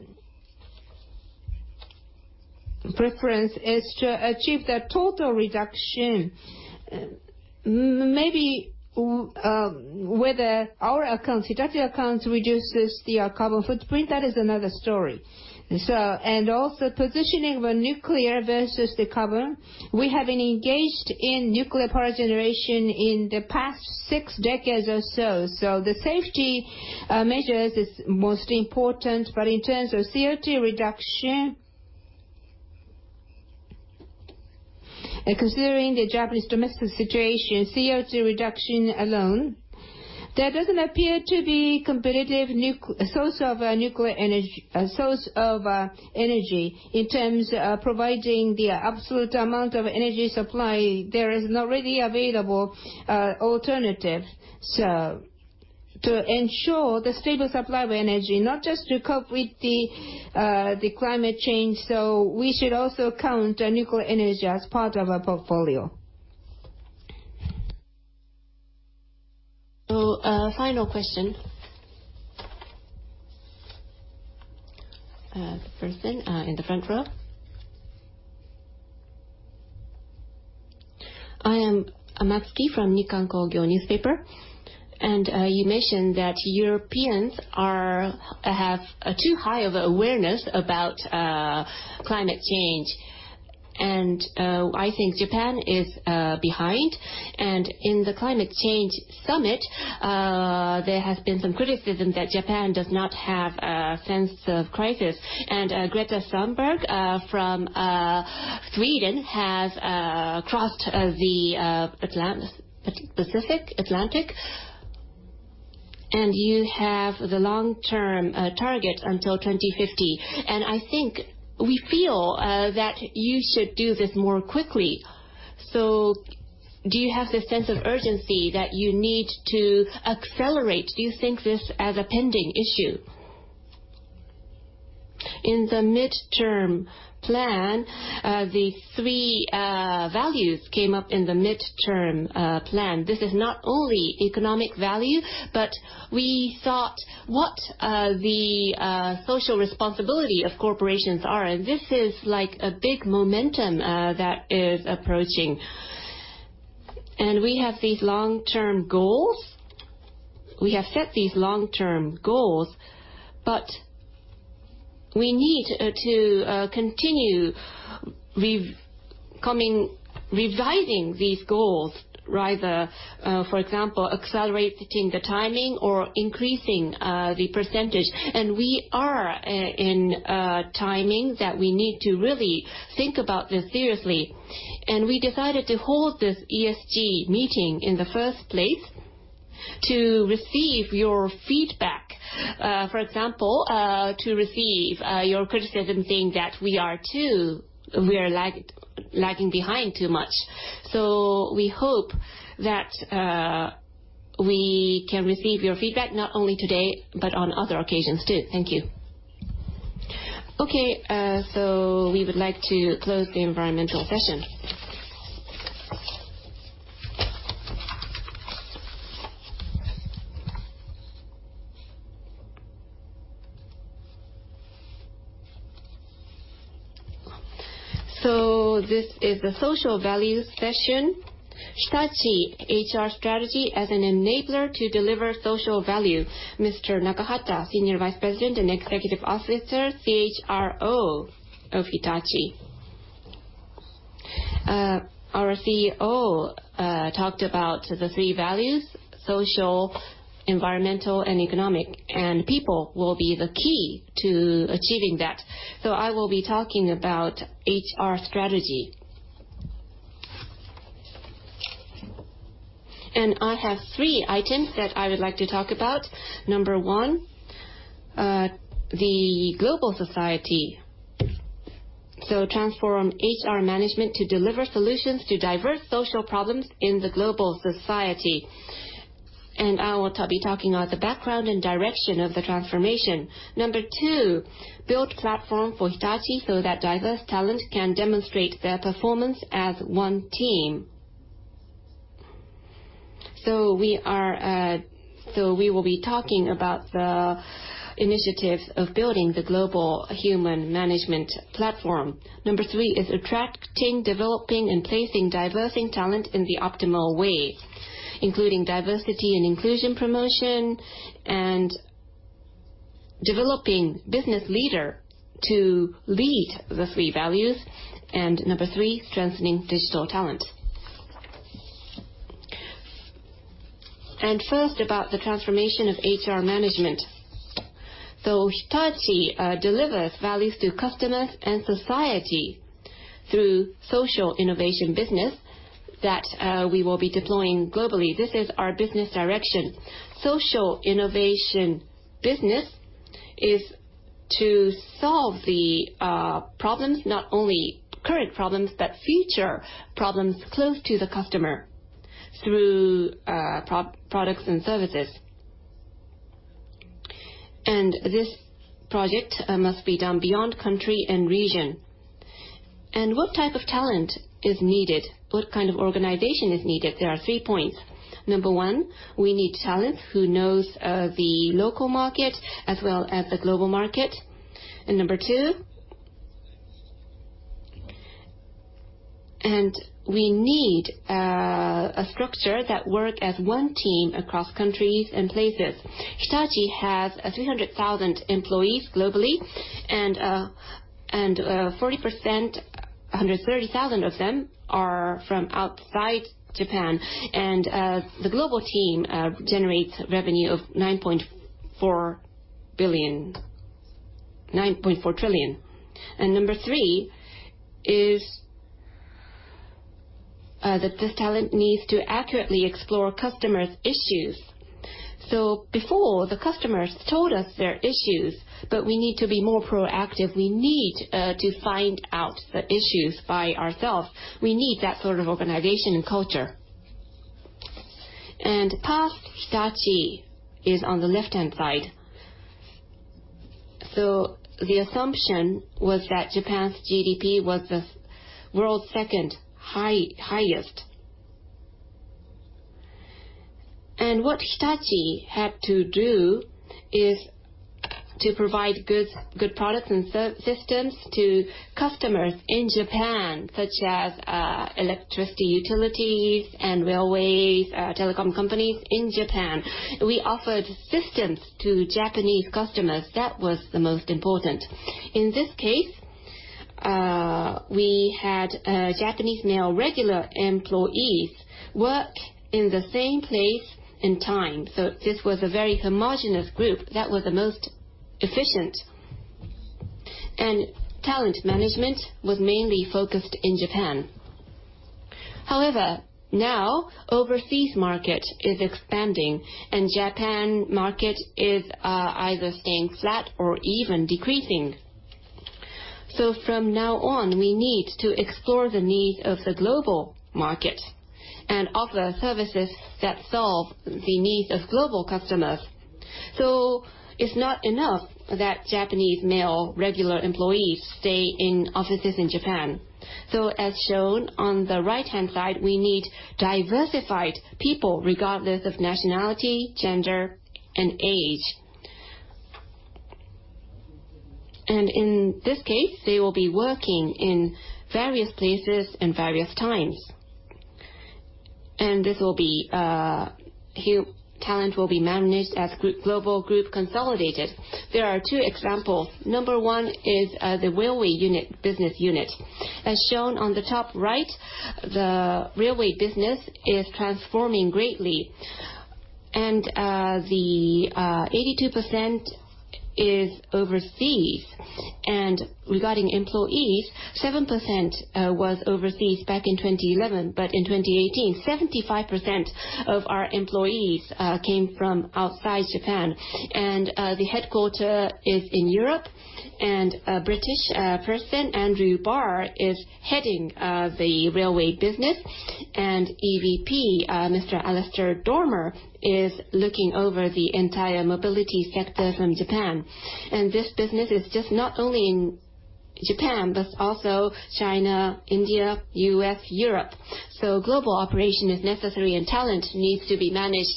preference is to achieve the total reduction. Maybe whether our accounts, Hitachi accounts, reduces the carbon footprint, that is another story. Positioning the nuclear versus the carbon. We have been engaged in nuclear power generation in the past six decades or so. The safety measures is most important, but in terms of CO2 reduction, and considering the Japanese domestic situation, CO2 reduction alone, there doesn't appear to be competitive source of energy in terms of providing the absolute amount of energy supply. There is no readily available alternative. To ensure the stable supply of energy, not just to cope with the climate change, so we should also count nuclear energy as part of our portfolio. Final question. The first thing, in the front row. I am Amatsuki from Nikkan Kogyo Shimbun. You mentioned that Europeans have too high of awareness about climate change, and I think Japan is behind. In the Climate Change Summit, there has been some criticism that Japan does not have a sense of crisis. Greta Thunberg from Sweden has crossed the Pacific, Atlantic. You have the long-term target until 2050. I think we feel that you should do this more quickly. Do you have the sense of urgency that you need to accelerate? Do you think this as a pending issue? In the midterm plan, the three values came up in the midterm plan. This is not only economic value, but we thought what the social responsibility of corporations are, and this is like a big momentum that is approaching. We have these long-term goals. We have set these long-term goals, but we need to continue revising these goals. For example, accelerating the timing or increasing the percentage. We are in a timing that we need to really think about this seriously. We decided to hold this ESG meeting in the first place to receive your feedback. For example, to receive your criticism saying that we are lagging behind too much. We hope that we can receive your feedback, not only today, but on other occasions, too. Thank you. Okay. We would like to close the environmental session. This is the social value session. Hitachi HR strategy as an enabler to deliver social value. Mr. Nakahata, Senior Vice President and Executive Officer, CHRO of Hitachi. Our CEO talked about the three values, social, environmental, and economic, and people will be the key to achieving that. I will be talking about HR strategy. I have three items that I would like to talk about. Number one, the global society. Transform HR management to deliver solutions to diverse social problems in the global society. I will be talking about the background and direction of the transformation. Number two, build platform for Hitachi so that diverse talent can demonstrate their performance as one team. We will be talking about the initiatives of building the global human management platform. Number three is attracting, developing, and placing diverse talent in the optimal way, including diversity and inclusion promotion, and developing business leader to lead the three values. Number three, strengthening digital talent. First, about the transformation of HR management. Hitachi delivers values to customers and society through social innovation business that we will be deploying globally. This is our business direction. Social innovation business is to solve the problems, not only current problems, but future problems close to the customer through products and services. This project must be done beyond country and region. What type of talent is needed? What kind of organization is needed? There are three points. Number one, we need talent who knows the local market as well as the global market. Number two, we need a structure that work as one team across countries and places. Hitachi has 300,000 employees globally and 40%, 130,000 of them, are from outside Japan. The global team generates revenue of 9.4 trillion. Number three is that this talent needs to accurately explore customers' issues. Before, the customers told us their issues, but we need to be more proactive. We need to find out the issues by ourselves. We need that sort of organization and culture. Past Hitachi is on the left-hand side. The assumption was that Japan's GDP was the world's second highest. What Hitachi had to do is to provide good products and systems to customers in Japan, such as electricity utilities and railways, telecom companies in Japan. We offered systems to Japanese customers. That was the most important. In this case, we had Japanese male regular employees work in the same place and time. This was a very homogenous group that was the most efficient. Talent management was mainly focused in Japan. However, now overseas market is expanding, and Japan market is either staying flat or even decreasing. From now on, we need to explore the needs of the global market and offer services that solve the needs of global customers. It is not enough that Japanese male regular employees stay in offices in Japan. As shown on the right-hand side, we need diversified people, regardless of nationality, gender, and age. In this case, they will be working in various places and various times. Talent will be managed as global Group consolidated. There are two examples. Number 1 is the railway business unit. As shown on the top right, the railway business is transforming greatly, and 82% is overseas. Regarding employees, 7% was overseas back in 2011. But in 2018, 75% of our employees came from outside Japan. The headquarter is in Europe, and a British person, Andrew Barr, is heading the railway business. EVP, Mr. Alistair Dormer, is looking over the entire mobility sector from Japan. This business is just not only in Japan, but also China, India, U.S., Europe. Global operation is necessary, and talent needs to be managed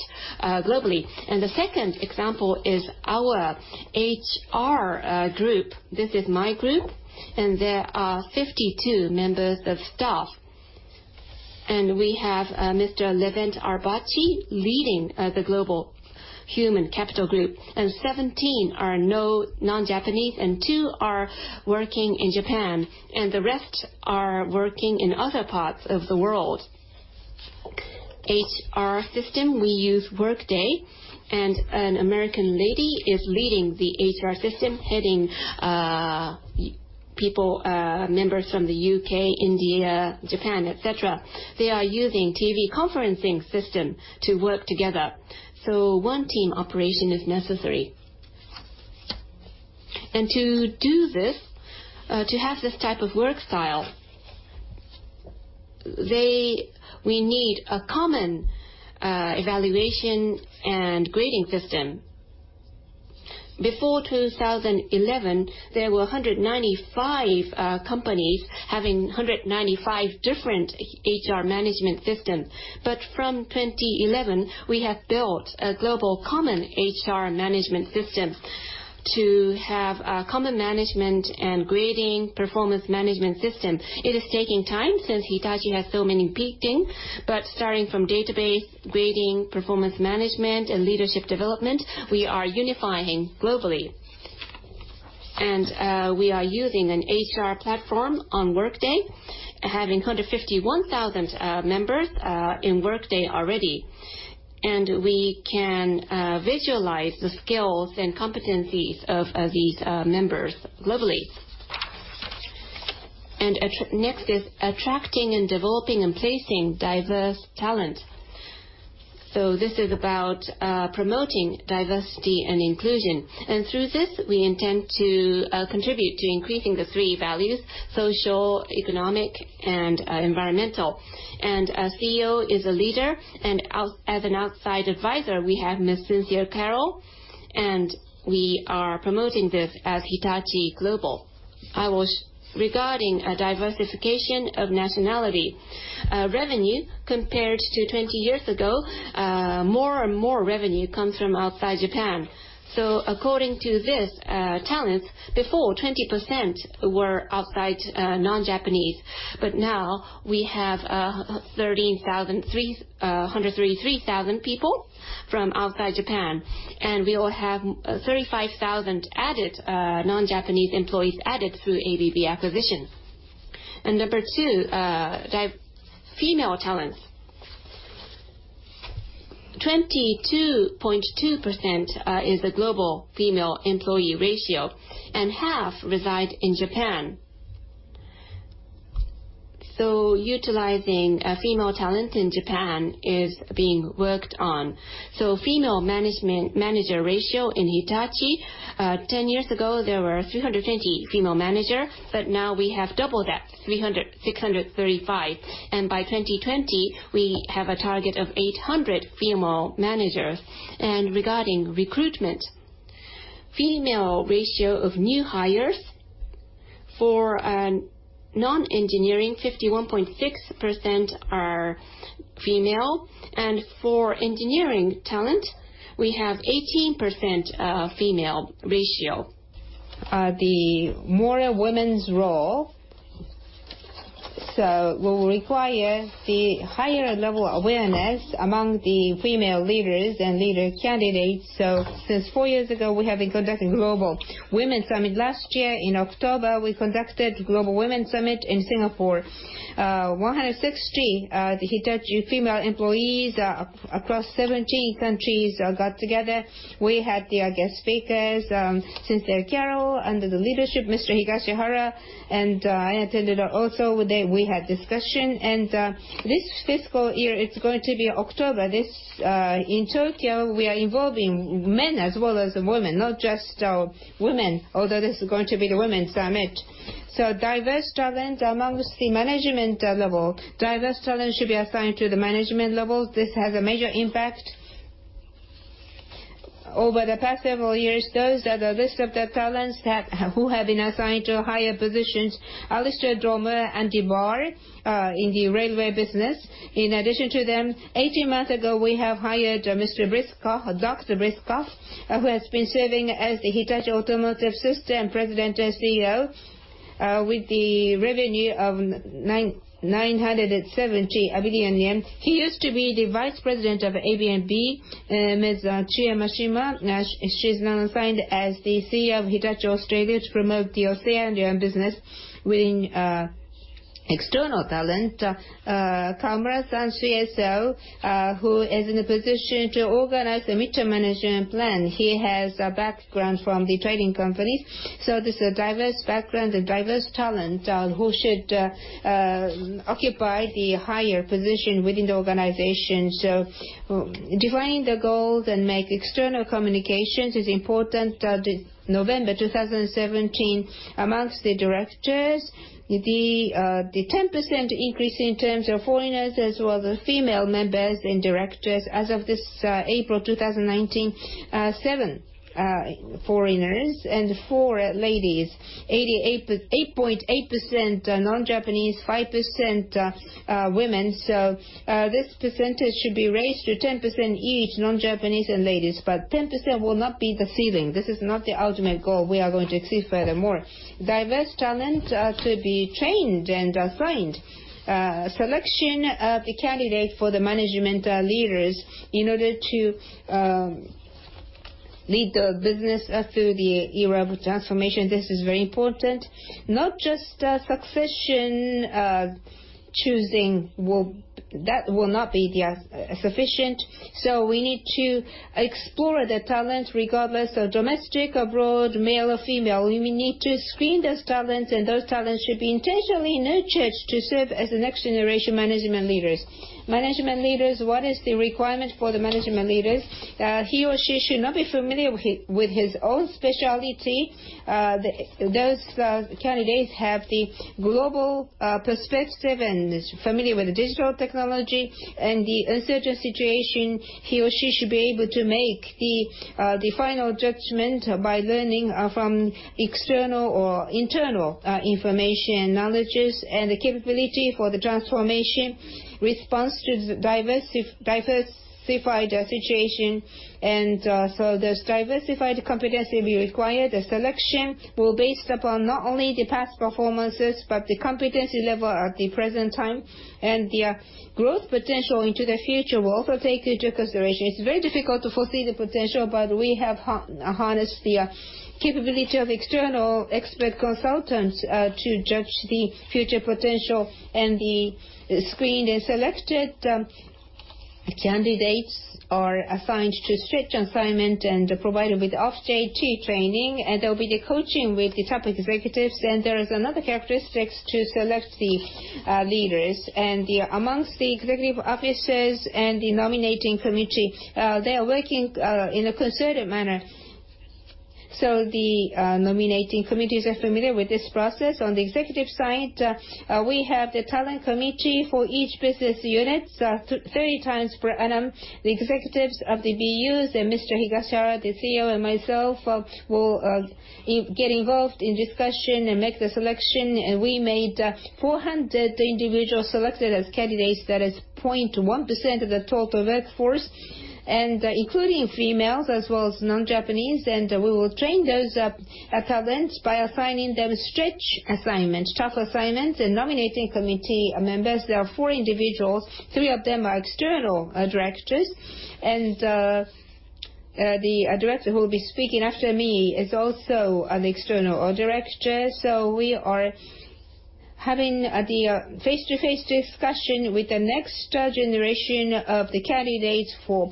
globally. The second example is our HR Group. This is my group, and there are 52 members of staff. We have Mr. Levent Arabaci leading the global human capital group, and 17 are non-Japanese, and two are working in Japan, and the rest are working in other parts of the world. HR system, we use Workday, and an American lady is leading the HR system, heading members from the U.K., India, Japan, et cetera. They are using TV conferencing system to work together. One team operation is necessary. To do this, to have this type of work style, we need a common evaluation and grading system. Before 2011, there were 195 companies having 195 different HR management systems. From 2011, we have built a global common HR management system to have a common management and grading performance management system. It is taking time since Hitachi has so many big things. But starting from database, grading, performance management, and leadership development, we are unifying globally. We are using an HR platform on Workday, having 151,000 members in Workday already. We can visualize the skills and competencies of these members globally. Next is attracting, developing, and placing diverse talent. This is about promoting diversity and inclusion. Through this, we intend to contribute to increasing the three values, social, economic, and environmental. Our CEO is a leader, and as an outside advisor, we have Ms. Cynthia Carroll, and we are promoting this as Hitachi Global. Regarding diversification of nationality. Revenue compared to 20 years ago, more and more revenue comes from outside Japan. According to this, talents before 20% were outside non-Japanese. But now we have 133,000 people from outside Japan. We will have 35,000 non-Japanese employees added through ABB acquisition. Number 2, female talents. 22.2% is the global female employee ratio, and half reside in Japan. Utilizing female talent in Japan is being worked on. Female manager ratio in Hitachi, 10 years ago, there were 320 female managers, but now we have double that, 635. By 2020, we have a target of 800 female managers. Regarding recruitment, female ratio of new hires, for non-engineering, 51.6% are female. For engineering talent, we have 18% female ratio. The more women's role will require the higher level awareness among the female leaders and leader candidates. Since four years ago, we have been conducting Global Women's Summit. Last year in October, we conducted Global Women's Summit in Singapore. 160 Hitachi female employees across 17 countries got together. We had guest speakers, Cynthia Carroll, under the leadership, Mr. Higashihara, and I attended also. We had discussion. This fiscal year, it's going to be October. In Tokyo, we are involving men as well as women, not just women, although this is going to be the Women's Summit. Diverse talent amongst the management level. Diverse talent should be assigned to the management levels. This has a major impact. Over the past several years, those are the list of the talents who have been assigned to higher positions. Alistair Dormer and Andy Barr in the railway business. In addition to them, 18 months ago, we have hired Mr. Brice, Dr. Brice, who has been serving as the Hitachi Automotive Systems President and CEO, with the revenue of 970 billion yen. He used to be the vice president of ABB. Ms. Chie Mashima, she's now assigned as the CEO of Hitachi Australia to promote the Oceania business. Within external talent, Kamran Samji, CSO, who is in a position to organize the mid-term management plan. He has a background from the trading companies. This is a diverse background, a diverse talent, who should occupy the higher position within the organization. Defining the goals and make external communications is important. November 2017, amongst the directors, the 10% increase in terms of foreigners, as well the female members and directors. As of this April 2019, seven foreigners and four ladies, 8.8% non-Japanese, 5% women. This percentage should be raised to 10% each, non-Japanese and ladies. 10% will not be the ceiling. This is not the ultimate goal. We are going to exceed furthermore. Diverse talent should be trained and assigned. Selection of the candidate for the management leaders in order to lead the business through the era of transformation, this is very important. Not just succession choosing, that will not be sufficient. We need to explore the talent regardless of domestic or abroad, male or female. We need to screen those talents, and those talents should be intentionally nurtured to serve as the next generation management leaders. Management leaders, what is the requirement for the management leaders? That he or she should not be familiar with his own specialty. Those candidates have the global perspective and familiar with the digital technology. In the uncertain situation, he or she should be able to make the final judgment by learning from external or internal information knowledges. The capability for the transformation response to the diversified situation. This diversified competency will require the selection based upon not only the past performances, but the competency level at the present time, and the growth potential into the future. We also take into consideration it's very difficult to foresee the potential, but we have harnessed the capability of external expert consultants to judge the future potential and be screened and selected. The candidates are assigned to stretch assignment and provided with off-JT training. There will be the coaching with the top executives, and there is another characteristics to select the leaders. Amongst the executive officers and the nominating committee, they are working in a concerted manner. The nominating committees are familiar with this process. On the executive side, we have the talent committee for each business unit, 30 times per annum. The executives of the BUs and Mr. Higashihara, the CEO, and myself will get involved in discussion and make the selection. We made 400 individuals selected as candidates. That is 0.1% of the total workforce, including females as well as non-Japanese. We will train those talents by assigning them stretch assignments, tough assignments. Nominating committee members, there are four individuals, three of them are external directors. The director who will be speaking after me is also an external director. We are having the face-to-face discussion with the next generation of the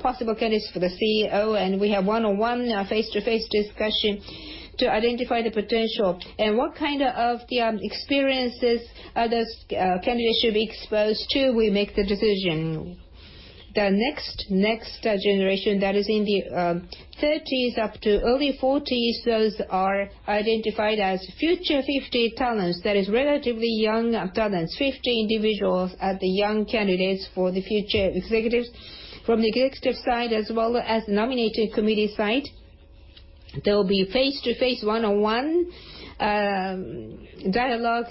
possible candidates for the CEO, and we have one-on-one face-to-face discussion to identify the potential and what kind of experiences the candidate should be exposed to. We make the decision. The next generation that is in the 30s up to early 40s, those are identified as Future 50 talents. That is relatively young talents, 50 individuals are the young candidates for the future executives. From the executive side as well as the nominating committee side, there will be face-to-face, one-on-one dialogue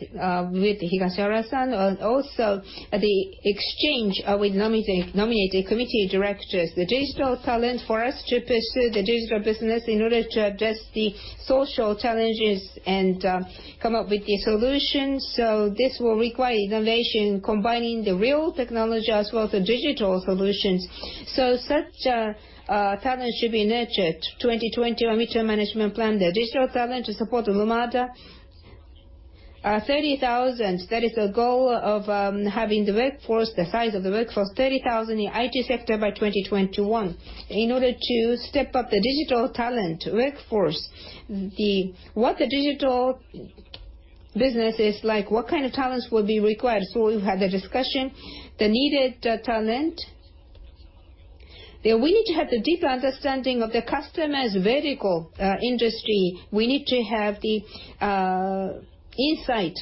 with Higashihara-san, and also the exchange with nominating committee directors. The digital talent for us to pursue the digital business in order to address the social challenges and come up with the solutions. This will require innovation, combining the real technology as well as the digital solutions. Such a talent should be nurtured. 2020 our midterm management plan, the digital talent to support the Lumada. 30,000, that is the goal of having the workforce, the size of the workforce, 30,000 in the IT sector by 2021. In order to step up the digital talent workforce, what the digital business is like, what kind of talents will be required? We've had the discussion. The needed talent, that we need to have the deep understanding of the customer's vertical industry. We need to have the insight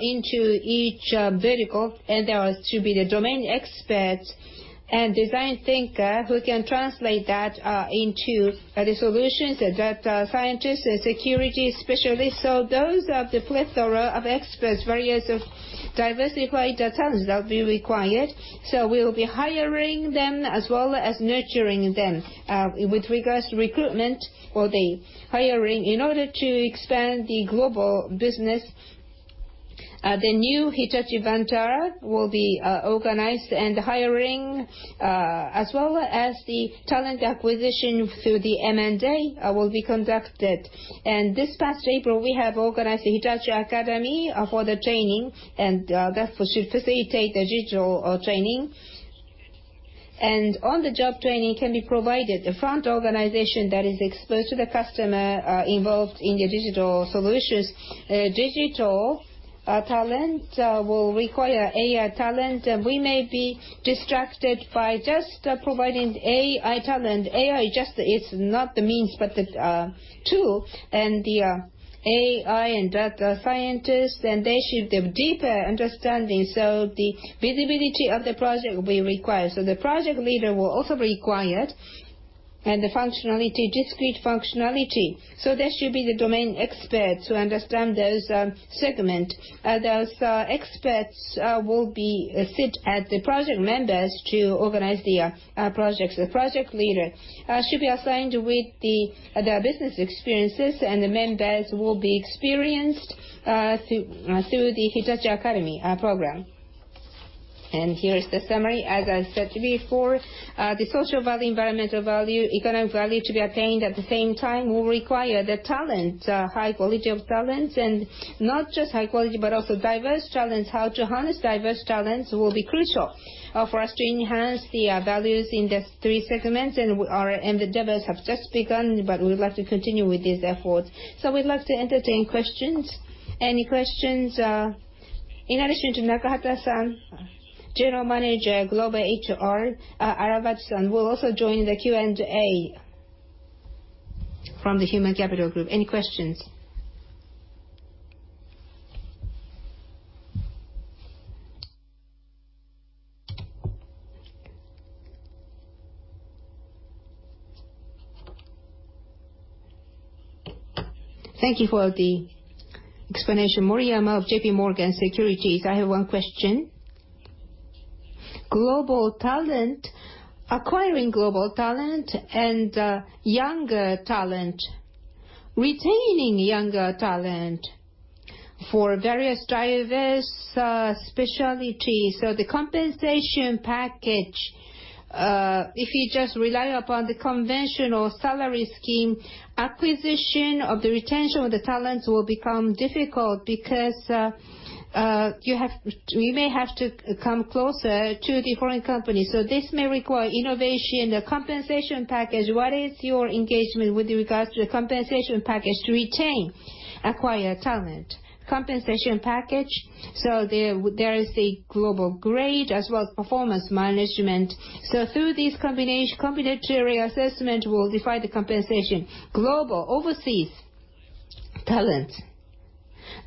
into each vertical, and there has to be the domain expert and design thinker who can translate that into the solutions, the data scientists, the security specialists. Those are the plethora of experts, various diversified talents that will be required. We will be hiring them as well as nurturing them. With regards to recruitment or the hiring, in order to expand the global business, the new Hitachi Vantara will be organized, and the hiring as well as the talent acquisition through the M&A will be conducted. This past April, we have organized the Hitachi Academy for the training, and that should facilitate the digital training. On-the-job training can be provided. The front organization that is exposed to the customer, involved in the digital solutions. Digital talent will require AI talent. We may be distracted by just providing AI talent. AI just is not the means, but the tool. The AI and data scientists, and they should have deeper understanding, so the visibility of the project will be required. The project leader will also be required, and the discrete functionality. There should be the domain experts who understand those segment. Those experts will sit as the project members to organize the projects. The project leader should be assigned with their business experiences, and the members will be experienced through the Hitachi Academy program. Here is the summary. As I said before, the social value, environmental value, economic value to be attained at the same time will require the talent, high quality of talents. Not just high quality, but also diverse talents. How to harness diverse talents will be crucial for us to enhance the values in these three segments. The endeavors have just begun, but we would like to continue with these efforts. We'd like to entertain questions. Any questions? In addition to Nakahata-san, General Manager Global HR Arawachi-san will also join the Q&A from the human capital group. Any questions? Thank you for the explanation. Moriyama of JPMorgan Securities, I have one question. Global talent, acquiring global talent and younger talent, retaining younger talent For various diverse specialties. The compensation package, if you just rely upon the conventional salary scheme, acquisition or the retention of the talents will become difficult because we may have to come closer to the foreign companies. This may require innovation. The compensation package, what is your engagement with regards to the compensation package to retain acquired talent? Compensation package. There is a global grade as well as performance management. Through this combinatory assessment, we'll define the compensation. Global, overseas talent.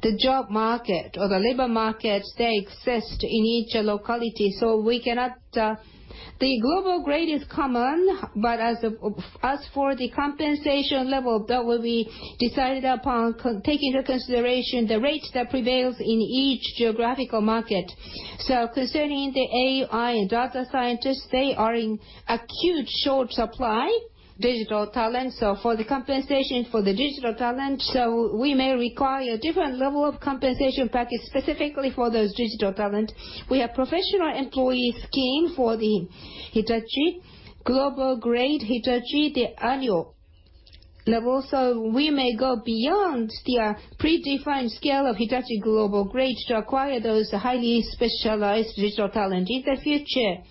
The job market or the labor market, they exist in each locality. The global grade is common, but as for the compensation level, that will be decided upon, take into consideration the rates that prevails in each geographical market. Concerning the AI and data scientists, they are in acute short supply, digital talent. For the compensation for the digital talent, we may require a different level of compensation package specifically for those digital talent. We have professional employee scheme for the Hitachi global grade, Hitachi, the annual level. We may go beyond the predefined scale of Hitachi global grade to acquire those highly specialized digital talent in the future.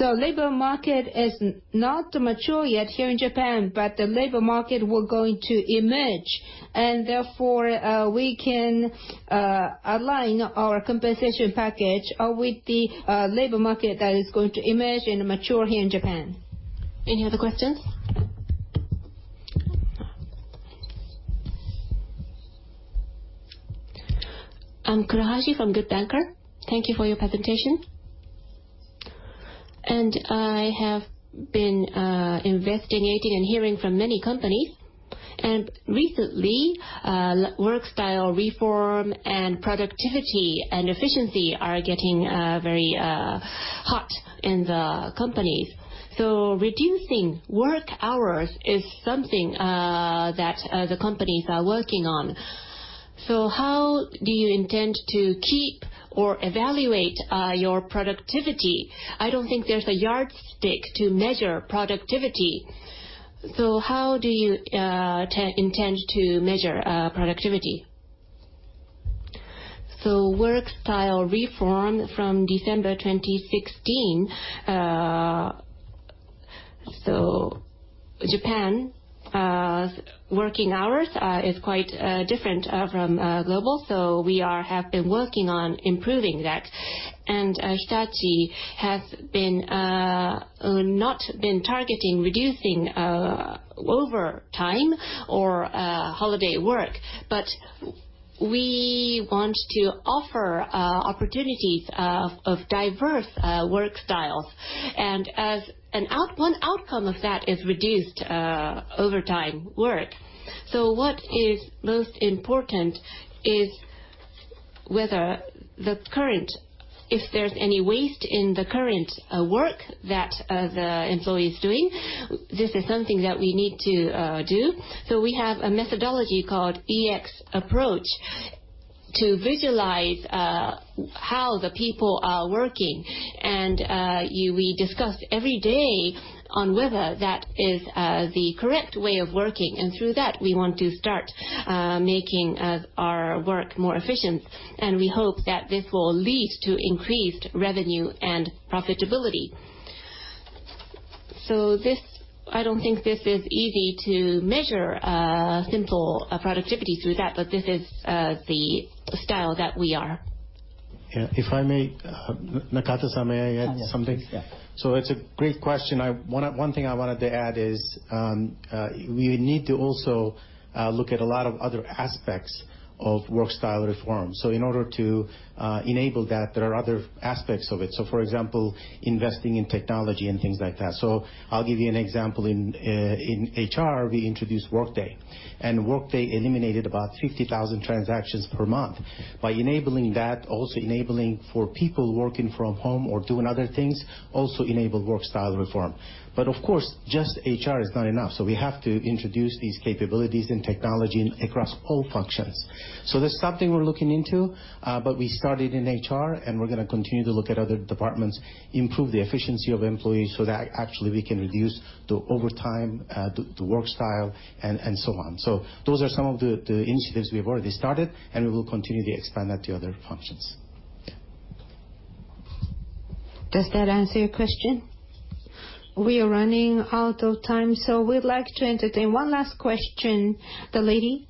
Labor market is not mature yet here in Japan, but the labor market will going to emerge, and therefore, we can align our compensation package with the labor market that is going to emerge and mature here in Japan. Any other questions? I'm Kurahashi from The Good Bankers Co., Ltd. Thank you for your presentation. I have been investigating and hearing from many companies, recently, work style reform and productivity and efficiency are getting very hot in the companies. Reducing work hours is something that the companies are working on. How do you intend to keep or evaluate your productivity? I don't think there's a yardstick to measure productivity. How do you intend to measure productivity? Work style reform from December 2016. Japan working hours is quite different from global, so we have been working on improving that. Hitachi has not been targeting reducing overtime or holiday work, but we want to offer opportunities of diverse work styles. One outcome of that is reduced overtime work. What is most important is whether if there's any waste in the current work that the employee is doing, this is something that we need to do. We have a methodology called Ex Approach to visualize how the people are working. We discuss every day on whether that is the correct way of working. Through that, we want to start making our work more efficient, and we hope that this will lead to increased revenue and profitability. I don't think this is easy to measure simple productivity through that, but this is the style that we are. Yeah, if I may, Nakata-san, may I add something? Yeah. Please. Yeah. It's a great question. One thing I wanted to add is, we need to also look at a lot of other aspects of work style reform. In order to enable that, there are other aspects of it. For example, investing in technology and things like that. I'll give you an example. In HR, we introduced Workday, and Workday eliminated about 50,000 transactions per month. By enabling that, also enabling for people working from home or doing other things, also enabled work style reform. Of course, just HR is not enough. We have to introduce these capabilities and technology across all functions. That's something we're looking into, but we started in HR, and we're going to continue to look at other departments, improve the efficiency of employees so that actually we can reduce the overtime, the work style, and so on. Those are some of the initiatives we have already started, and we will continue to expand that to other functions. Does that answer your question? We are running out of time, so we'd like to entertain one last question. The lady.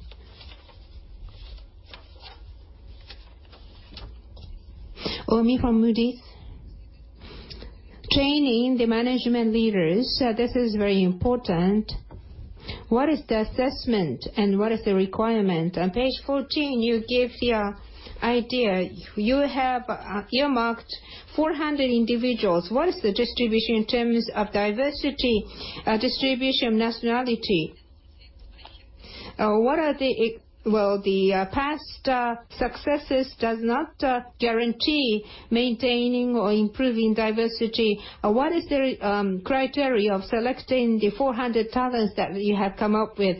Omi from Moody's. Training the management leaders, this is very important. What is the assessment and what is the requirement? On page 14, you give the idea. You have earmarked 400 individuals. What is the distribution in terms of diversity, distribution of nationality? Well, the past successes does not guarantee maintaining or improving diversity. What is the criteria of selecting the 400 talents that you have come up with?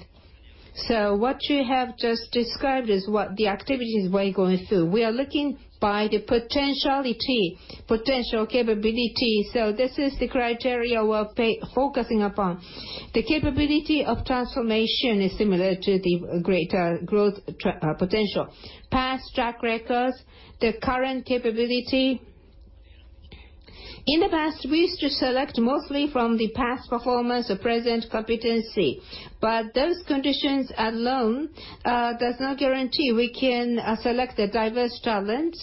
What you have just described is what the activities we're going through. We are looking by the potentiality, potential capability. This is the criteria we're focusing upon. The capability of transformation is similar to the greater growth potential. Past track records, the current capability. In the past, we used to select mostly from the past performance or present competency. Those conditions alone does not guarantee we can select the diverse talent,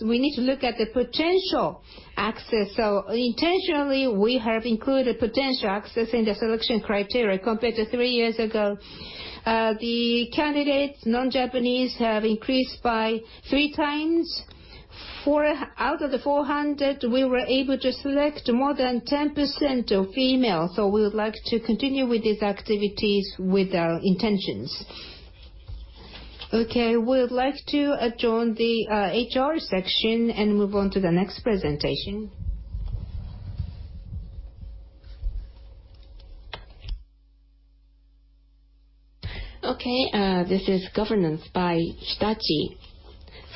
we need to look at the potential access. Intentionally, we have included potential access in the selection criteria compared to three years ago. The candidates, non-Japanese, have increased by three times. Out of the 400, we were able to select more than 10% of female. We would like to continue with these activities with our intentions. Okay. We would like to adjourn the HR section and move on to the next presentation. Okay. This is governance by Hitachi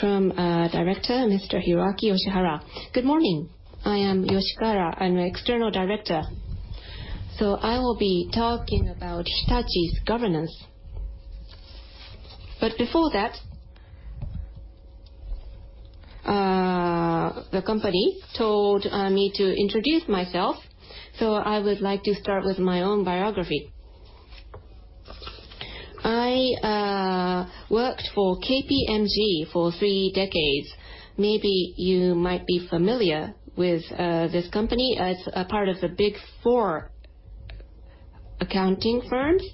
from Director Mr. Hiroaki Yoshihara. Good morning. I am Yoshihara. I am an external director. I will be talking about Hitachi's governance. Before that, the company told me to introduce myself, I would like to start with my own biography. I worked for KPMG for three decades. Maybe you might be familiar with this company as a part of the Big Four accounting firms.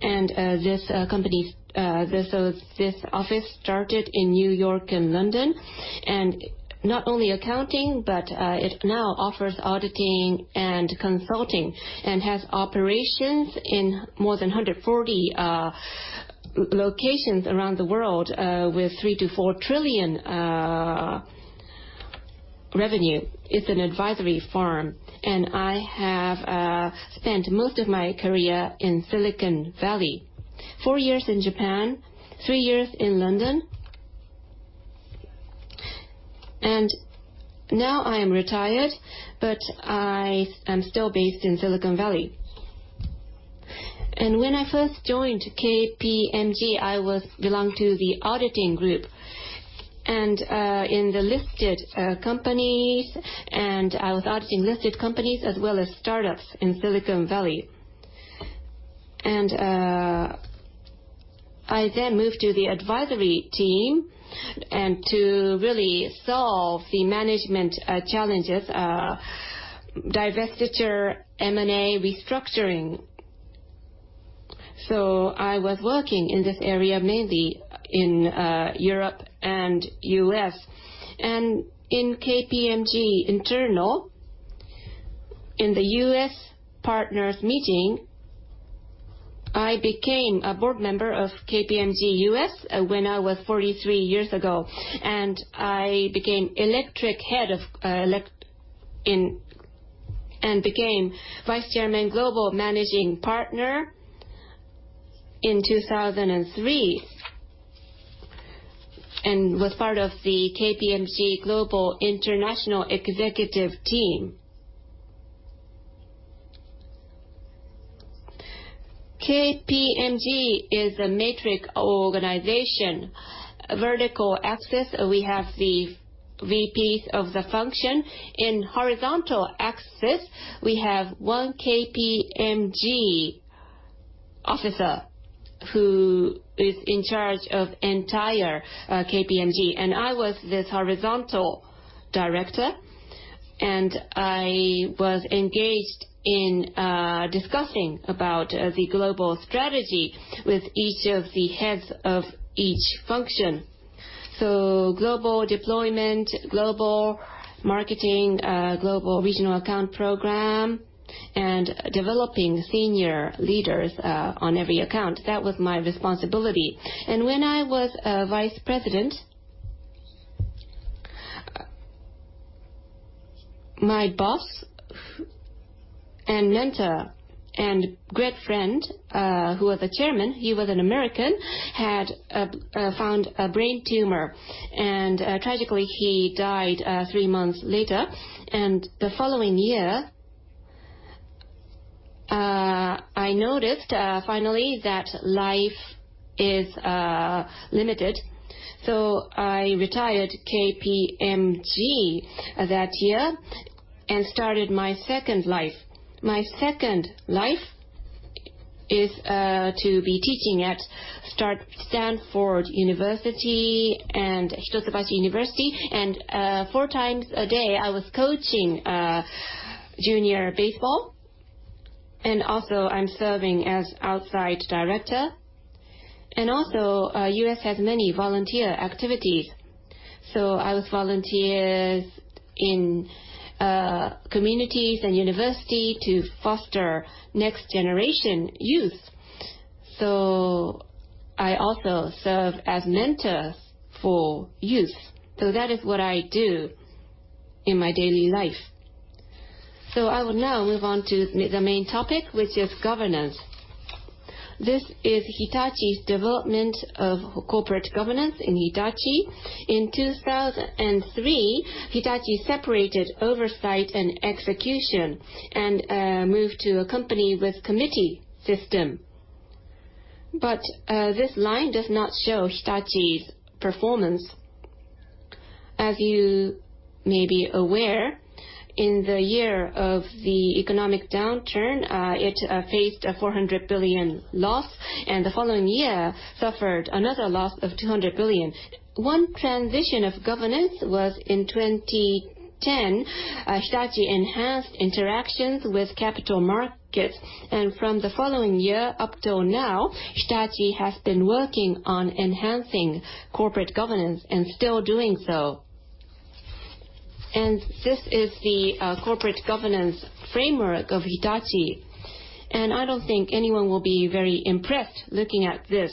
This office started in New York and London. Not only accounting, but it now offers auditing and consulting and has operations in more than 140 locations around the world, with $3 trillion to $4 trillion revenue. It is an advisory firm, and I have spent most of my career in Silicon Valley. Four years in Japan, three years in London, and now I am retired, but I am still based in Silicon Valley. When I first joined KPMG, I belonged to the auditing group. In the listed companies, and I was auditing listed companies as well as startups in Silicon Valley. I then moved to the advisory team and to really solve the management challenges, divestiture, M&A, restructuring. I was working in this area mainly in Europe and U.S. In KPMG internal, in the U.S. partners meeting, I became a board member of KPMG US when I was 43 years ago, and I became Vice Chairman Global Managing Partner in 2003, and was part of the KPMG Global International Executive Team. KPMG is a matrix organization. Vertical axis, we have the VPs of the function. In horizontal axis, we have one KPMG officer who is in charge of entire KPMG. I was this horizontal director, and I was engaged in discussing about the global strategy with each of the heads of each function. Global deployment, global marketing, global regional account program, and developing senior leaders on every account. That was my responsibility. When I was a vice president, my boss and mentor and great friend, who was a chairman, he was an American, had found a brain tumor, and tragically, he died three months later. The following year, I noticed finally that life is limited. I retired KPMG that year and started my second life. My second life is to be teaching at Stanford University and Hitotsubashi University. Four times a day, I was coaching junior baseball. Also, I'm serving as outside director. Also, U.S. has many volunteer activities, I was volunteers in communities and university to foster next generation youth. I also serve as mentor for youth. That is what I do in my daily life. I will now move on to the main topic, which is governance. This is Hitachi's development of corporate governance in Hitachi. In 2003, Hitachi separated oversight and execution and moved to a company with committee system. This line does not show Hitachi's performance. As you may be aware, in the year of the economic downturn, it faced a 400 billion loss, and the following year suffered another loss of 200 billion. One transition of governance was in 2010. Hitachi enhanced interactions with capital markets, and from the following year up till now, Hitachi has been working on enhancing corporate governance and still doing so. This is the corporate governance framework of Hitachi, and I don't think anyone will be very impressed looking at this.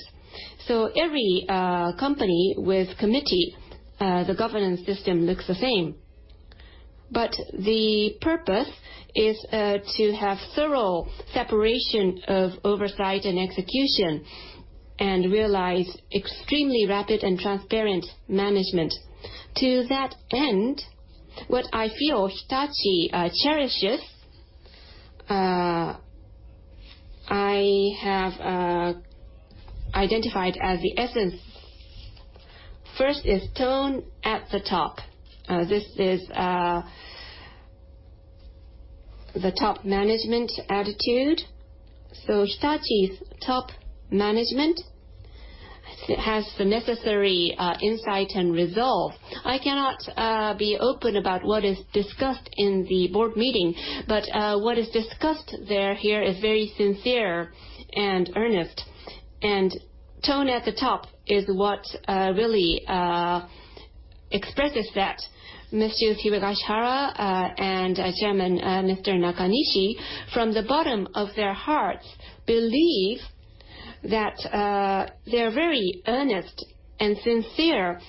Every company with committee, the governance system looks the same. The purpose is to have thorough separation of oversight and execution and realize extremely rapid and transparent management. To that end, what I feel Hitachi cherishes, I have identified as the essence. First is tone at the top. This is the top management attitude. Hitachi's top management has the necessary insight and resolve. I cannot be open about what is discussed in the board meeting, but what is discussed there here is very sincere and earnest, and tone at the top is what really expresses that. Monsieur Higashihara and Chairman Mr. Nakanishi, from the bottom of their hearts, believe that they're very earnest and sincere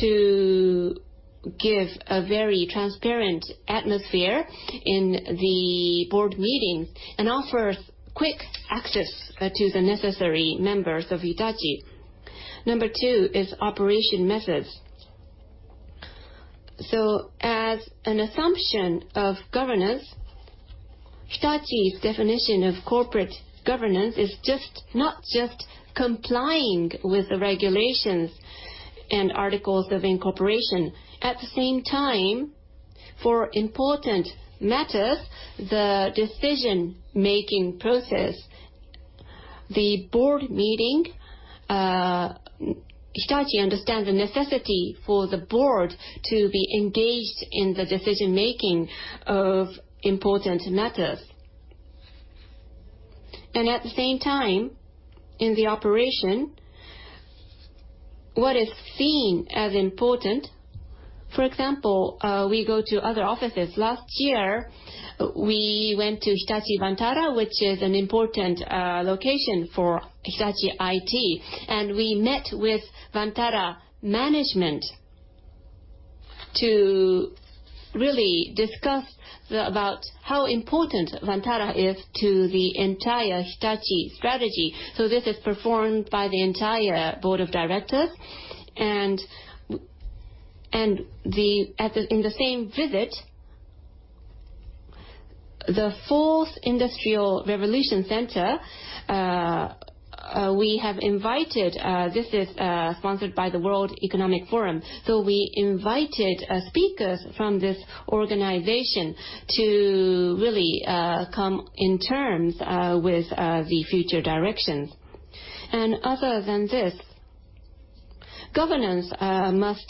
to give a very transparent atmosphere in the board meeting and offer quick access to the necessary members of Hitachi. Number two is operation methods. As an assumption of governance, Hitachi's definition of corporate governance is not just complying with the regulations and articles of incorporation. At the same time, for important matters, the decision-making process, the board meeting, Hitachi understands the necessity for the board to be engaged in the decision-making of important matters. At the same time, in the operation, what is seen as important, for example, we go to other offices. Last year, we went to Hitachi Vantara, which is an important location for Hitachi IT, and we met with Vantara management to really discuss about how important Vantara is to the entire Hitachi strategy. This is performed by the entire board of directors. In the same visit, the Fourth Industrial Revolution Center, this is sponsored by the World Economic Forum, we invited speakers from this organization to really come to terms with the future directions. Other than this, governance must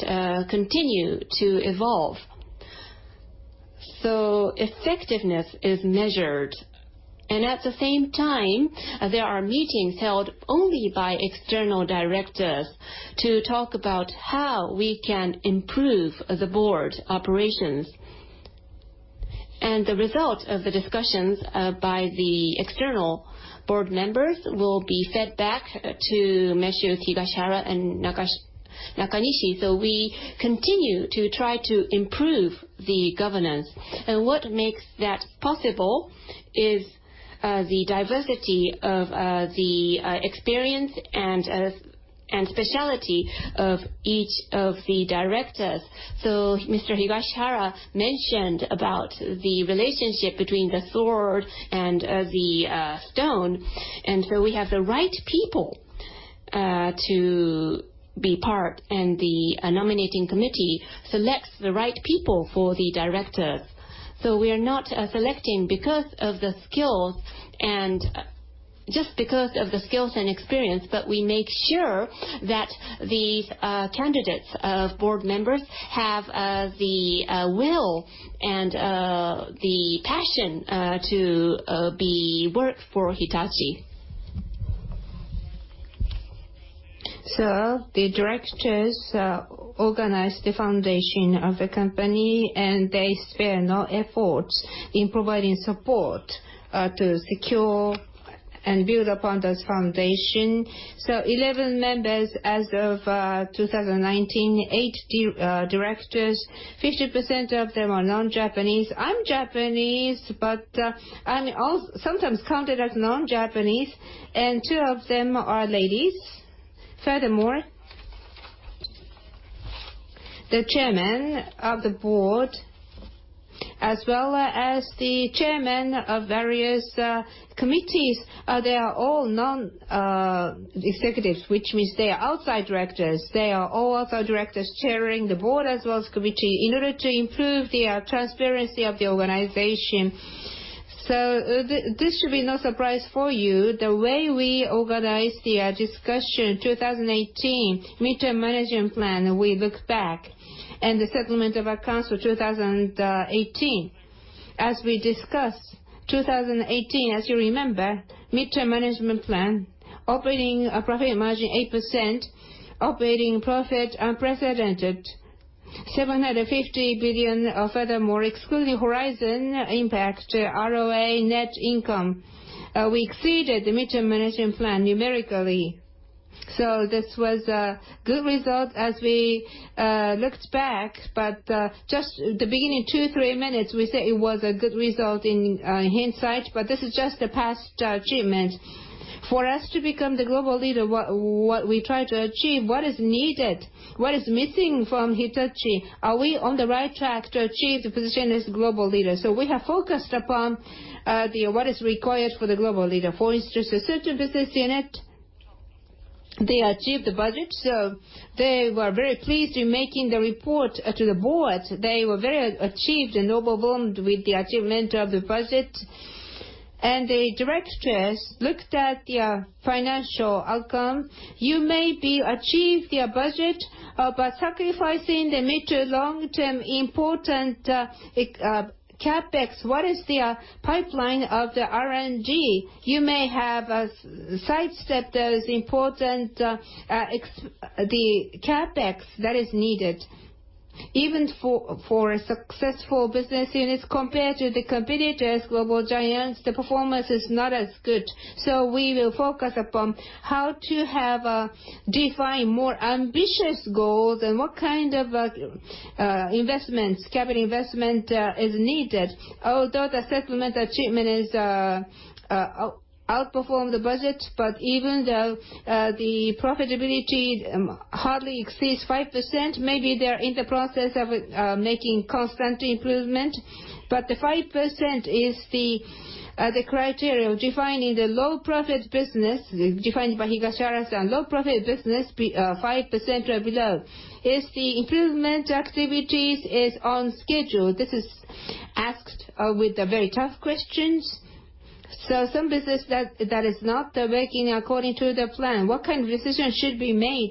continue to evolve. Effectiveness is measured, and at the same time, there are meetings held only by external directors to talk about how we can improve the board operations. The result of the discussions by the external board members will be fed back to Monsieur Higashihara and Nakanishi. We continue to try to improve the governance. What makes that possible is the diversity of the experience and specialty of each of the directors. Mr. Higashihara mentioned about the relationship between the sword and the stone, we have the right people to be part, the nominating committee selects the right people for the directors. We are not selecting just because of the skills and experience, but we make sure that the candidates of board members have the will and the passion to work for Hitachi. The directors organize the foundation of the company, and they spare no efforts in providing support to secure and build upon this foundation. 11 members as of 2019, eight directors, 50% of them are non-Japanese. I am Japanese, but I am sometimes counted as non-Japanese, and two of them are ladies. Furthermore, the chairman of the board as well as the chairman of various committees, they are all non-executives, which means they are outside directors. They are all outside directors chairing the board as well as committee in order to improve the transparency of the organization. This should be no surprise for you, the way we organize the discussion 2018 Midterm Management Plan, we look back and the settlement of accounts for 2018. As we discussed 2018, as you remember, Midterm Management Plan, operating profit margin 8%, operating profit unprecedented 750 billion or furthermore, excluding Horizon Project impact, ROA, net income. We exceeded the Midterm Management Plan numerically. This was a good result as we looked back. Just the beginning, two, three minutes, we said it was a good result in hindsight, but this is just the past achievement. For us to become the global leader, what we try to achieve, what is needed, what is missing from Hitachi? Are we on the right track to achieve the position as global leader? We have focused upon what is required for the global leader. For instance, the social business unit, they achieved the budget, they were very pleased in making the report to the board. They were very achieved and overwhelmed with the achievement of the budget, the directors looked at their financial outcome. You may achieve the budget, sacrificing the mid to long-term important CapEx, what is the pipeline of the R&D? You may have sidestepped those important, the CapEx that is needed. Even for a successful business unit compared to the competitors, global giants, the performance is not as good. We will focus upon how to define more ambitious goals and what kind of investments, capital investment, is needed. Although the settlement achievement has outperformed the budget, even though the profitability hardly exceeds 5%, maybe they are in the process of making constant improvement. The 5% is the criteria of defining the low profit business, defined by Higashihara-san, low profit business, 5% or below, is the improvement activities is on schedule. This is asked with very tough questions. Some business that is not working according to the plan, what kind of decision should be made?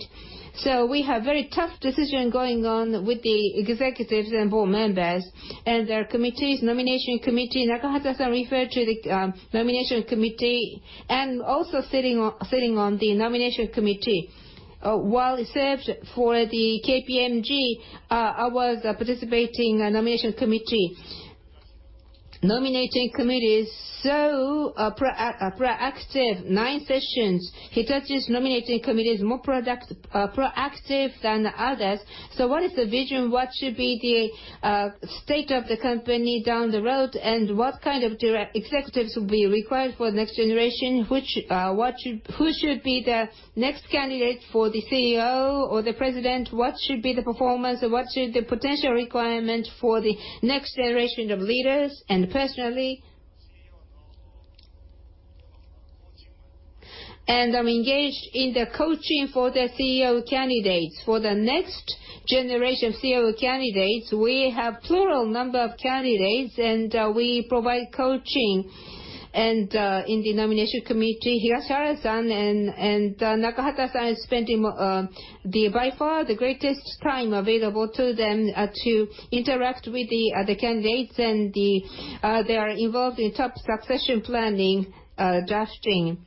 We have very tough decision going on with the executives and board members and their committees, Nomination Committee. Nakahata-san referred to the Nomination Committee, also sitting on the Nomination Committee while he served for the KPMG, I was participating in Nomination Committee. Nomination Committee is so proactive, nine sessions. Hitachi's Nomination Committee is more proactive than others. What is the vision? What should be the state of the company down the road, what kind of executives will be required for the next generation? Who should be the next candidate for the CEO or the President? What should be the performance and what should the potential requirement for the next generation of leaders? Personally, I am engaged in the coaching for the CEO candidates. For the next generation of CEO candidates, we have plural number of candidates, and we provide coaching. In the nomination committee, Higashihara-san and Nakahata-san are spending by far the greatest time available to them to interact with the other candidates, and they are involved in top succession planning drafting.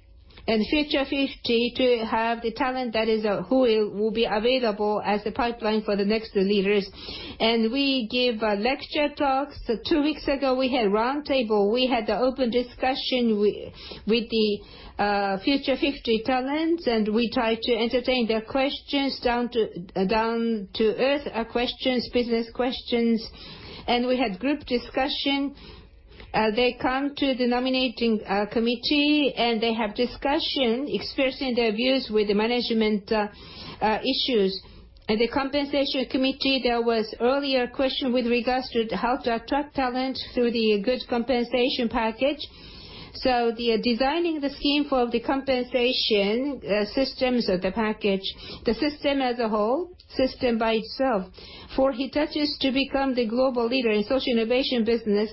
Future 50 to have the talent who will be available as the pipeline for the next leaders. We give lecture talks. Two weeks ago, we had a roundtable. We had the open discussion with the Future 50 talents, and we try to entertain their questions, down to earth questions, business questions. We had group discussion. They come to the nominating committee, and they have discussion, expressing their views with the management issues. The compensation committee, there was earlier question with regards to how to attract talent through the good compensation package. The designing the scheme for the compensation systems of the package, the system as a whole, system by itself. For Hitachi to become the global leader in social innovation business,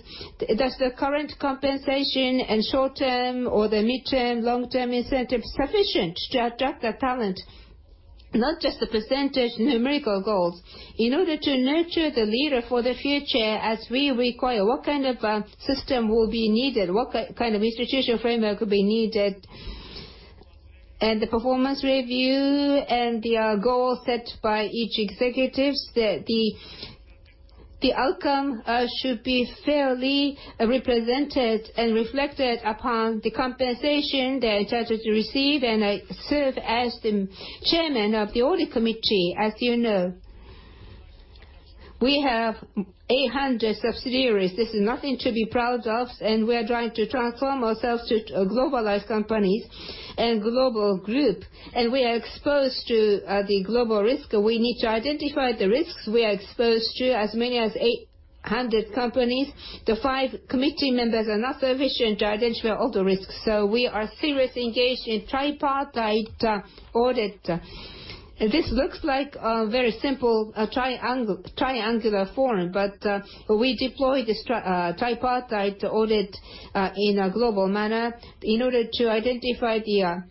does the current compensation and short-term or the mid-term, long-term incentive sufficient to attract the talent? Not just the percentage numerical goals. In order to nurture the leader for the future as we require, what kind of system will be needed? What kind of institutional framework will be needed? The performance review and the goal set by each executive, the outcome should be fairly represented and reflected upon the compensation they're entitled to receive, and I serve as the chairman of the audit committee, as you know. We have 800 subsidiaries. This is nothing to be proud of, we are trying to transform ourselves to a globalized company and global group, we are exposed to the global risk. We need to identify the risks we are exposed to. As many as 800 companies. The five committee members are not sufficient to identify all the risks, so we are seriously engaged in tripartite audit. This looks like a very simple triangular form, we deploy this tripartite audit in a global manner in order to identify the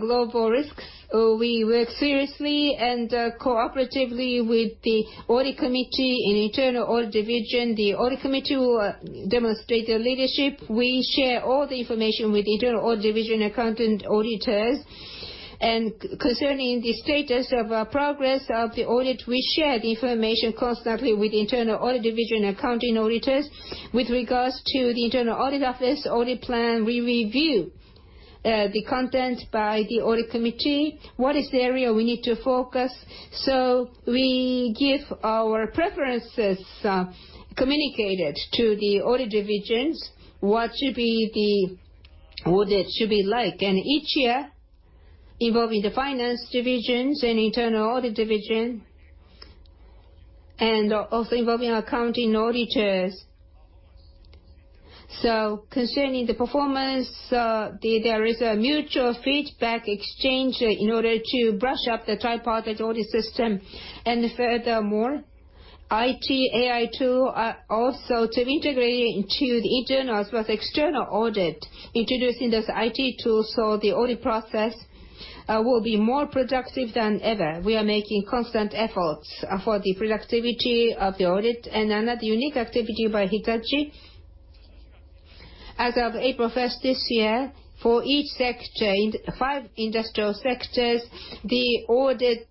global risks. We work seriously and cooperatively with the audit committee in Internal Audit Division. The audit committee will demonstrate leadership. We share all the information with Internal Audit Division accounting auditors. Concerning the status of progress of the audit, we share the information constantly with the Internal Audit Division accounting auditors. With regards to the Internal Audit Office audit plan, we review the content by the audit committee. What is the area we need to focus? We give our preferences communicated to the audit divisions, what audit should be like. Each year, involving the Finance Divisions and Internal Audit Division, also involving accounting auditors. Concerning the performance, there is a mutual feedback exchange in order to brush up the tripartite audit system. Furthermore, IT AI tool also to integrate into the internal as well as external audit, introducing those IT tools so the audit process will be more productive than ever. We are making constant efforts for the productivity of the audit. another unique activity by Hitachi, as of April 1st this year, for each sector in five industrial sectors, the audit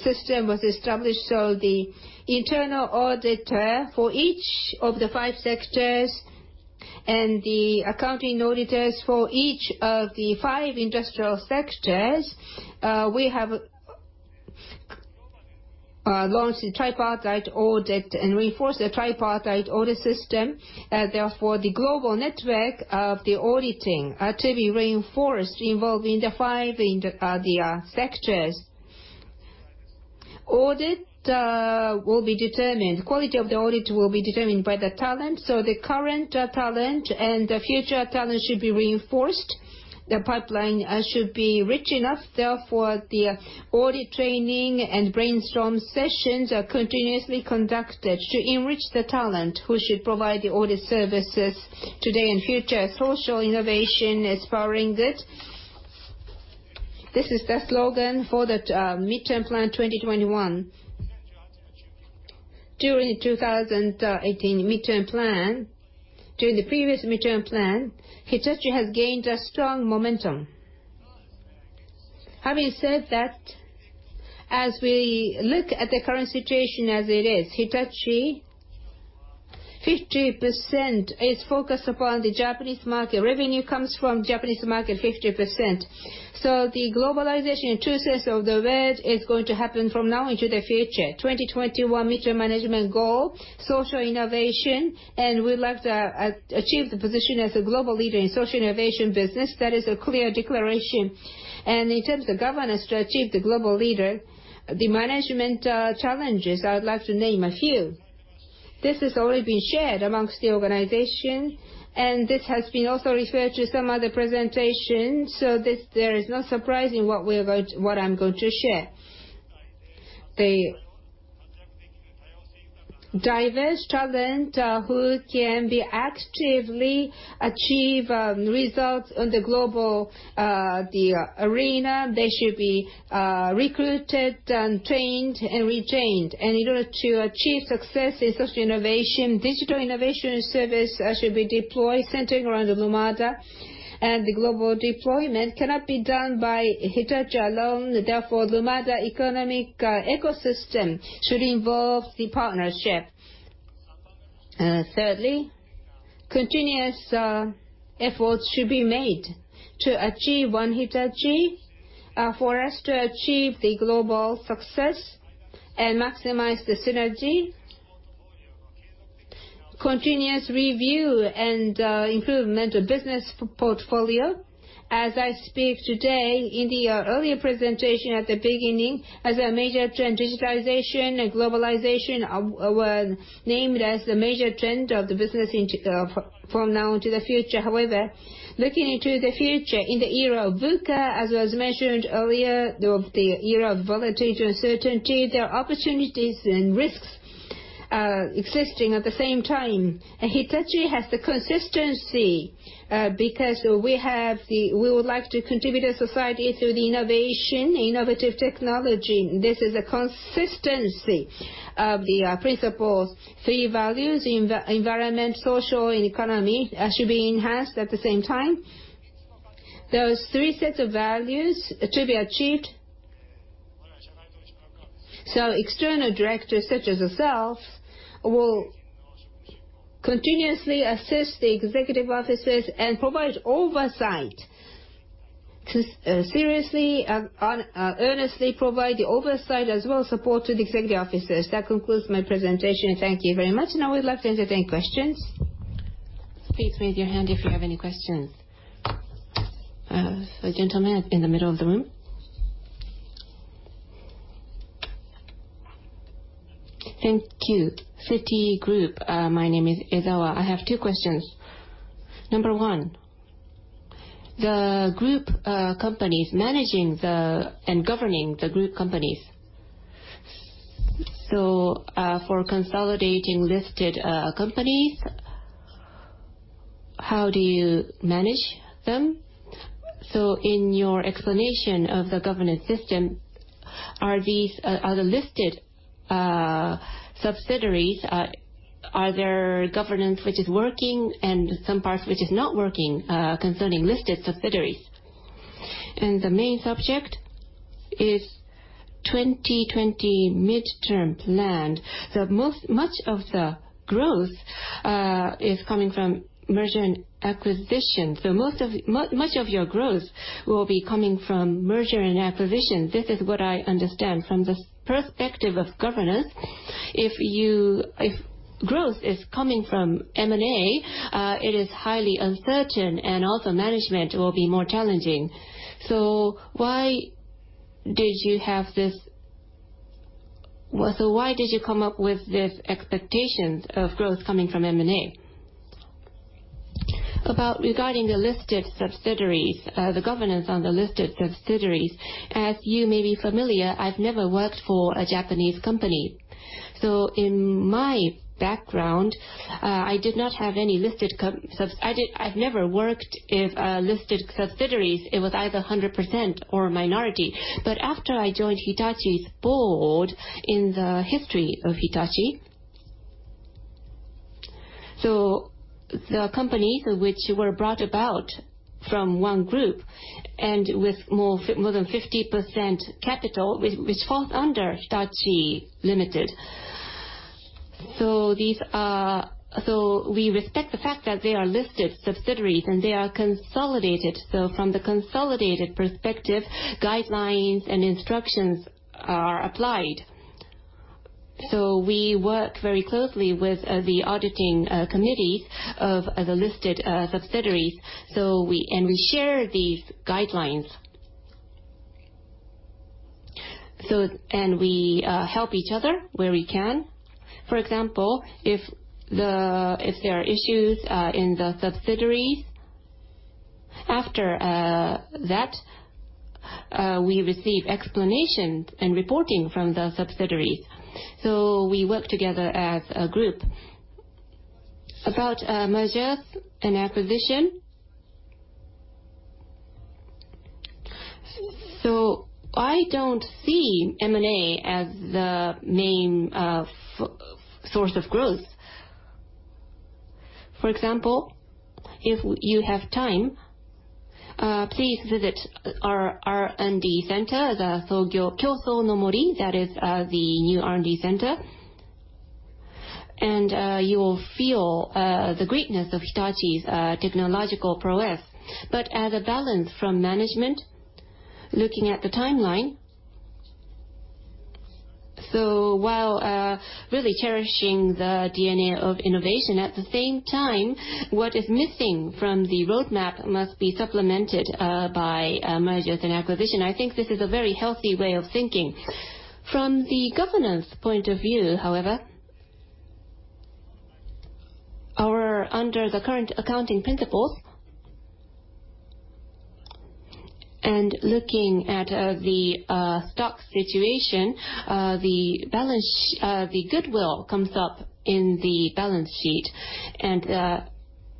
system was established, so the internal auditor for each of the five sectors and the accounting auditors for each of the five industrial sectors, we have launched the tripartite audit and reinforced the tripartite audit system. Therefore, the global network of the auditing are to be reinforced involving the five sectors. Audit will be determined. Quality of the audit will be determined by the talent. So the current talent and the future talent should be reinforced. The pipeline should be rich enough. Therefore, the audit training and brainstorm sessions are continuously conducted to enrich the talent who should provide the audit services today and future. Social Innovation is Powering Good. This is the slogan for the midterm plan 2021. During 2018 midterm plan, during the previous midterm plan, Hitachi has gained a strong momentum. Having said that, as we look at the current situation as it is, Hitachi, 50% is focused upon the Japanese market. Revenue comes from Japanese market, 50%. The globalization in true sense of the word is going to happen from now into the future. 2021 midterm management goal, Social Innovation, and we'd like to achieve the position as a global leader in Social Innovation business. That is a clear declaration. In terms of governance to achieve the global leader, the management challenges, I would like to name a few. This has already been shared amongst the organization, and this has been also referred to some other presentations, so this there is no surprising what I'm going to share. The diverse talent who can be actively achieve results on the global arena, they should be recruited and trained and retained. In order to achieve success in Social Innovation, digital innovation service should be deployed centering around Lumada, and the global deployment cannot be done by Hitachi alone. Therefore, Lumada economic ecosystem should involve the partnerships. Thirdly, continuous efforts should be made to achieve One Hitachi for us to achieve the global success and maximize the synergy. Continuous review and improvement of business portfolio. As I speak today, in the earlier presentation at the beginning, as a major trend, digitalization and globalization are named as the major trend of the business from now on to the future. However, looking into the future, in the era of VUCA, as was mentioned earlier, the era of volatility, uncertainty, there are opportunities and risks existing at the same time. Hitachi has the consistency because we would like to contribute to society through the innovation, innovative technology. This is a consistency of the principles. Three values, environment, social, and economy, should be enhanced at the same time. Those three sets of values are to be achieved External directors, such as yourself, will continuously assist the executive officers and provide oversight. To seriously, earnestly provide the oversight as well as support to the executive officers. That concludes my presentation. Thank you very much. Now we'd love to entertain questions. Please raise your hand if you have any questions. The gentleman in the middle of the room. Thank you. Citigroup, my name is Ezawa. I have two questions. Number 1, the group companies managing and governing the group companies. For consolidating listed companies, how do you manage them? In your explanation of the governance system, are the listed subsidiaries, are there governance which is working and some parts which is not working concerning listed subsidiaries? The main subject is 2020 Midterm Plan. Much of the growth is coming from merger and acquisition. Much of your growth will be coming from merger and acquisition. This is what I understand. From the perspective of governance, if growth is coming from M&A, it is highly uncertain and also management will be more challenging. Why did you come up with this expectation of growth coming from M&A? About regarding the listed subsidiaries, the governance on the listed subsidiaries, as you may be familiar, I've never worked for a Japanese company. In my background, I've never worked in listed subsidiaries. It was either 100% or minority. But after I joined Hitachi's board, in the history of Hitachi, the companies which were brought about from one group, and with more than 50% capital, which falls under Hitachi, Ltd. We respect the fact that they are listed subsidiaries, and they are consolidated. From the consolidated perspective, guidelines and instructions are applied. We work very closely with the auditing committees of the listed subsidiaries. We share these guidelines. We help each other where we can. For example, if there are issues in the subsidiaries, after that, we receive explanations and reporting from the subsidiaries. We work together as a group. About mergers and acquisition. I don't see M&A as the main source of growth. For example, if you have time, please visit our R&D center, the Kyoso-no-Mori, that is the new R&D center. You will feel the greatness of Hitachi's technological prowess. As a balance from management, looking at the timeline, while really cherishing the DNA of innovation, at the same time, what is missing from the roadmap must be supplemented by mergers and acquisition. I think this is a very healthy way of thinking. From the governance point of view, however, under the current accounting principles and looking at the stock situation, the goodwill comes up in the balance sheet and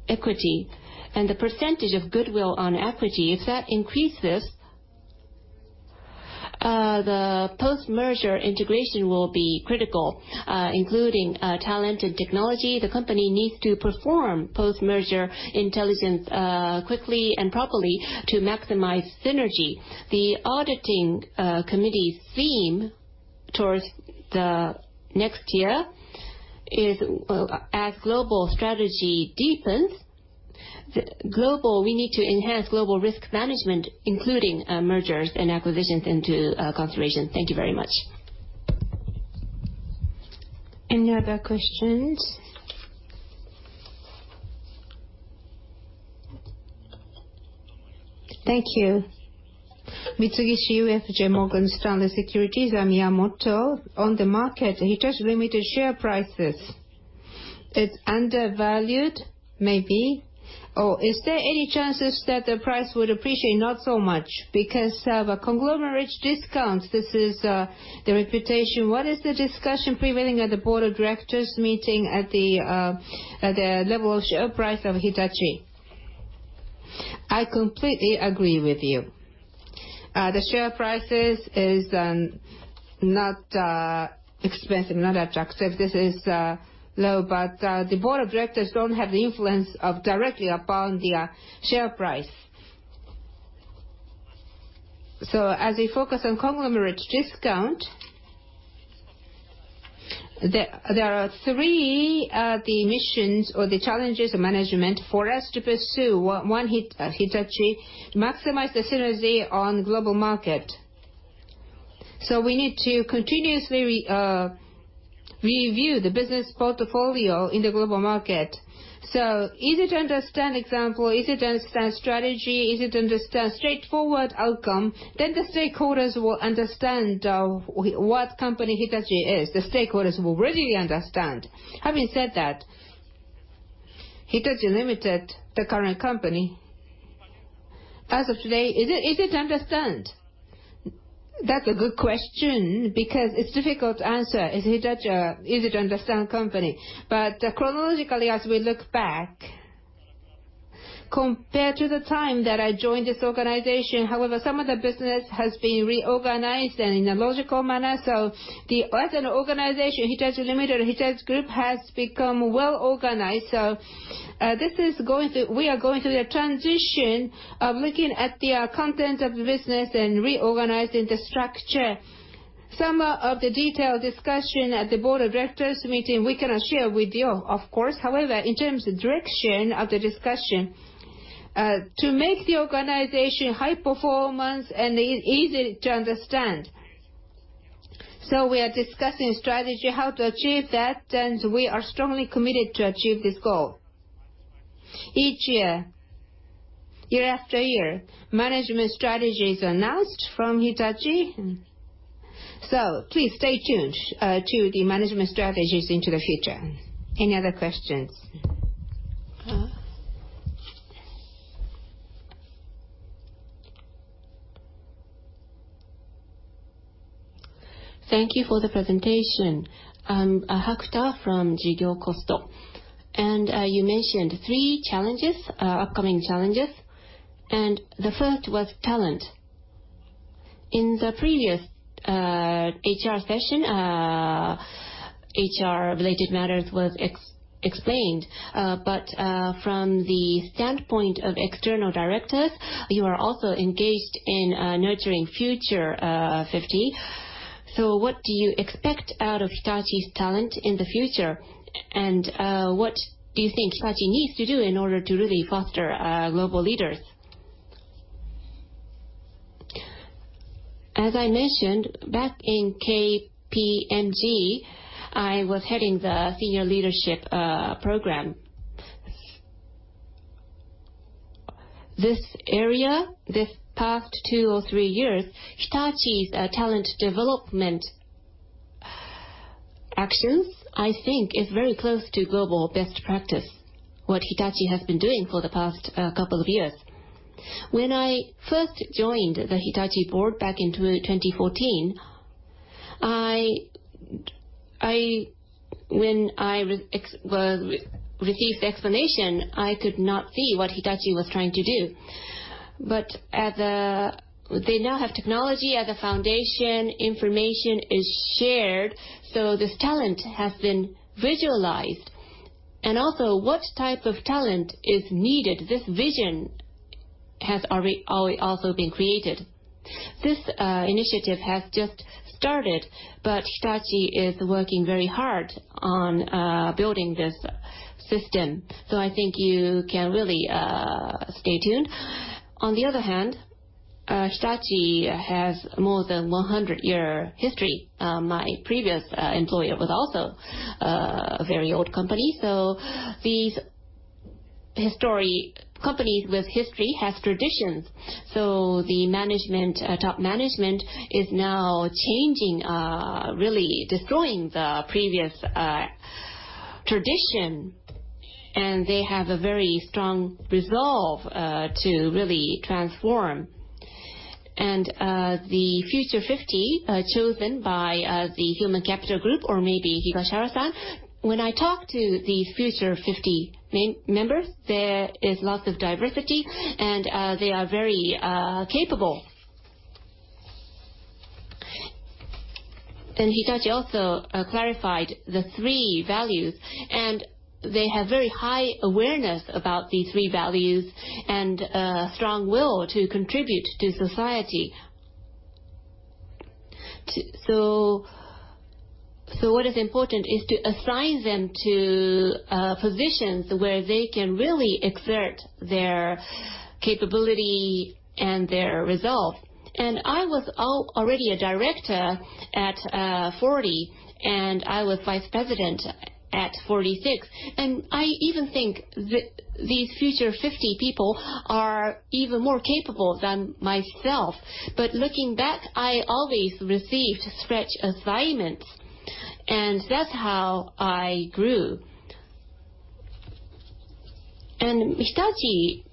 equity. The percentage of goodwill on equity, if that increases, the post-merger integration will be critical, including talent and technology. The company needs to perform post-merger integration quickly and properly to maximize synergy. The auditing committee's theme towards the next year is, as global strategy deepens, we need to enhance global risk management, including mergers and acquisitions into consideration. Thank you very much. Any other questions? Thank you. Mitsubishi UFJ Morgan Stanley Securities, Miyamoto. On the market, Hitachi, Ltd. share prices. It's undervalued, maybe, or is there any chances that the price would appreciate not so much? Because of a conglomerate discount, this is the reputation. What is the discussion prevailing at the board of directors meeting at the level of share price of Hitachi? I completely agree with you. The share prices is not expensive, not attractive. This is low. The board of directors don't have the influence of directly upon the share price. As we focus on conglomerate discount, there are three missions or challenges of management for us to pursue. One, Hitachi maximize the synergy on global market. We need to continuously review the business portfolio in the global market. Easy to understand example, easy to understand strategy, easy to understand straightforward outcome, the stakeholders will understand what company Hitachi is. The stakeholders will readily understand. Having said that, Hitachi, Ltd., the current company, as of today, is it easy to understand? That's a good question because it's difficult to answer. Is Hitachi an easy-to-understand company? Chronologically, as we look back, compared to the time that I joined this organization, however, some of the business has been reorganized and in a logical manner. As an organization, Hitachi, Ltd., Hitachi Group has become well organized. We are going through the transition of looking at the content of the business and reorganizing the structure. Some of the detailed discussion at the board of directors meeting, we cannot share with you, of course. However, in terms of direction of the discussion, to make the organization high performance and easy to understand. We are discussing strategy, how to achieve that, and we are strongly committed to achieve this goal. Each year after year, management strategy is announced from Hitachi. Please stay tuned to the management strategies into the future. Any other questions? Thank you for the presentation. Hakuta from Jiji Press. You mentioned three upcoming challenges, and the first was talent. In the previous HR session, HR related matters were explained. From the standpoint of external directors, you are also engaged in nurturing Future 50. What do you expect out of Hitachi's talent in the future? What do you think Hitachi needs to do in order to really foster global leaders? As I mentioned, back in KPMG, I was heading the senior leadership program. This area, this past two or three years, Hitachi's talent development actions, I think, is very close to global best practice, what Hitachi has been doing for the past couple of years. When I first joined the Hitachi board back in 2014, when I received the explanation, I could not see what Hitachi was trying to do. They now have technology as a foundation, information is shared, so this talent has been visualized. Also, what type of talent is needed, this vision has also been created. This initiative has just started, but Hitachi is working very hard on building this system. I think you can really stay tuned. On the other hand, Hitachi has more than 100-year history. My previous employer was also a very old company. These companies with history have traditions. The top management is now changing, really destroying the previous tradition, and they have a very strong resolve to really transform. The Future 50, chosen by the human capital group or maybe Higashihara-san, when I talk to these Future 50 members, there is lots of diversity, and they are very capable. Hitachi also clarified the three values, and they have very high awareness about these three values and a strong will to contribute to society. What is important is to assign them to positions where they can really exert their capability and their resolve. I was already a director at 40, and I was vice president at 46. I even think these Future 50 people are even more capable than myself. Looking back, I always received stretch assignments, and that's how I grew. Hitachi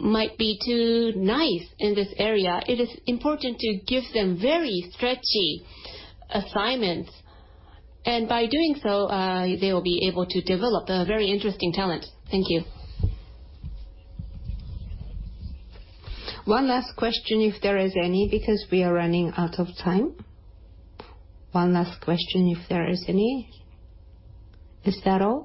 might be too nice in this area. It is important to give them very stretchy assignments. By doing so, they will be able to develop a very interesting talent. Thank you. One last question if there is any, because we are running out of time. One last question, if there is any. Is that all?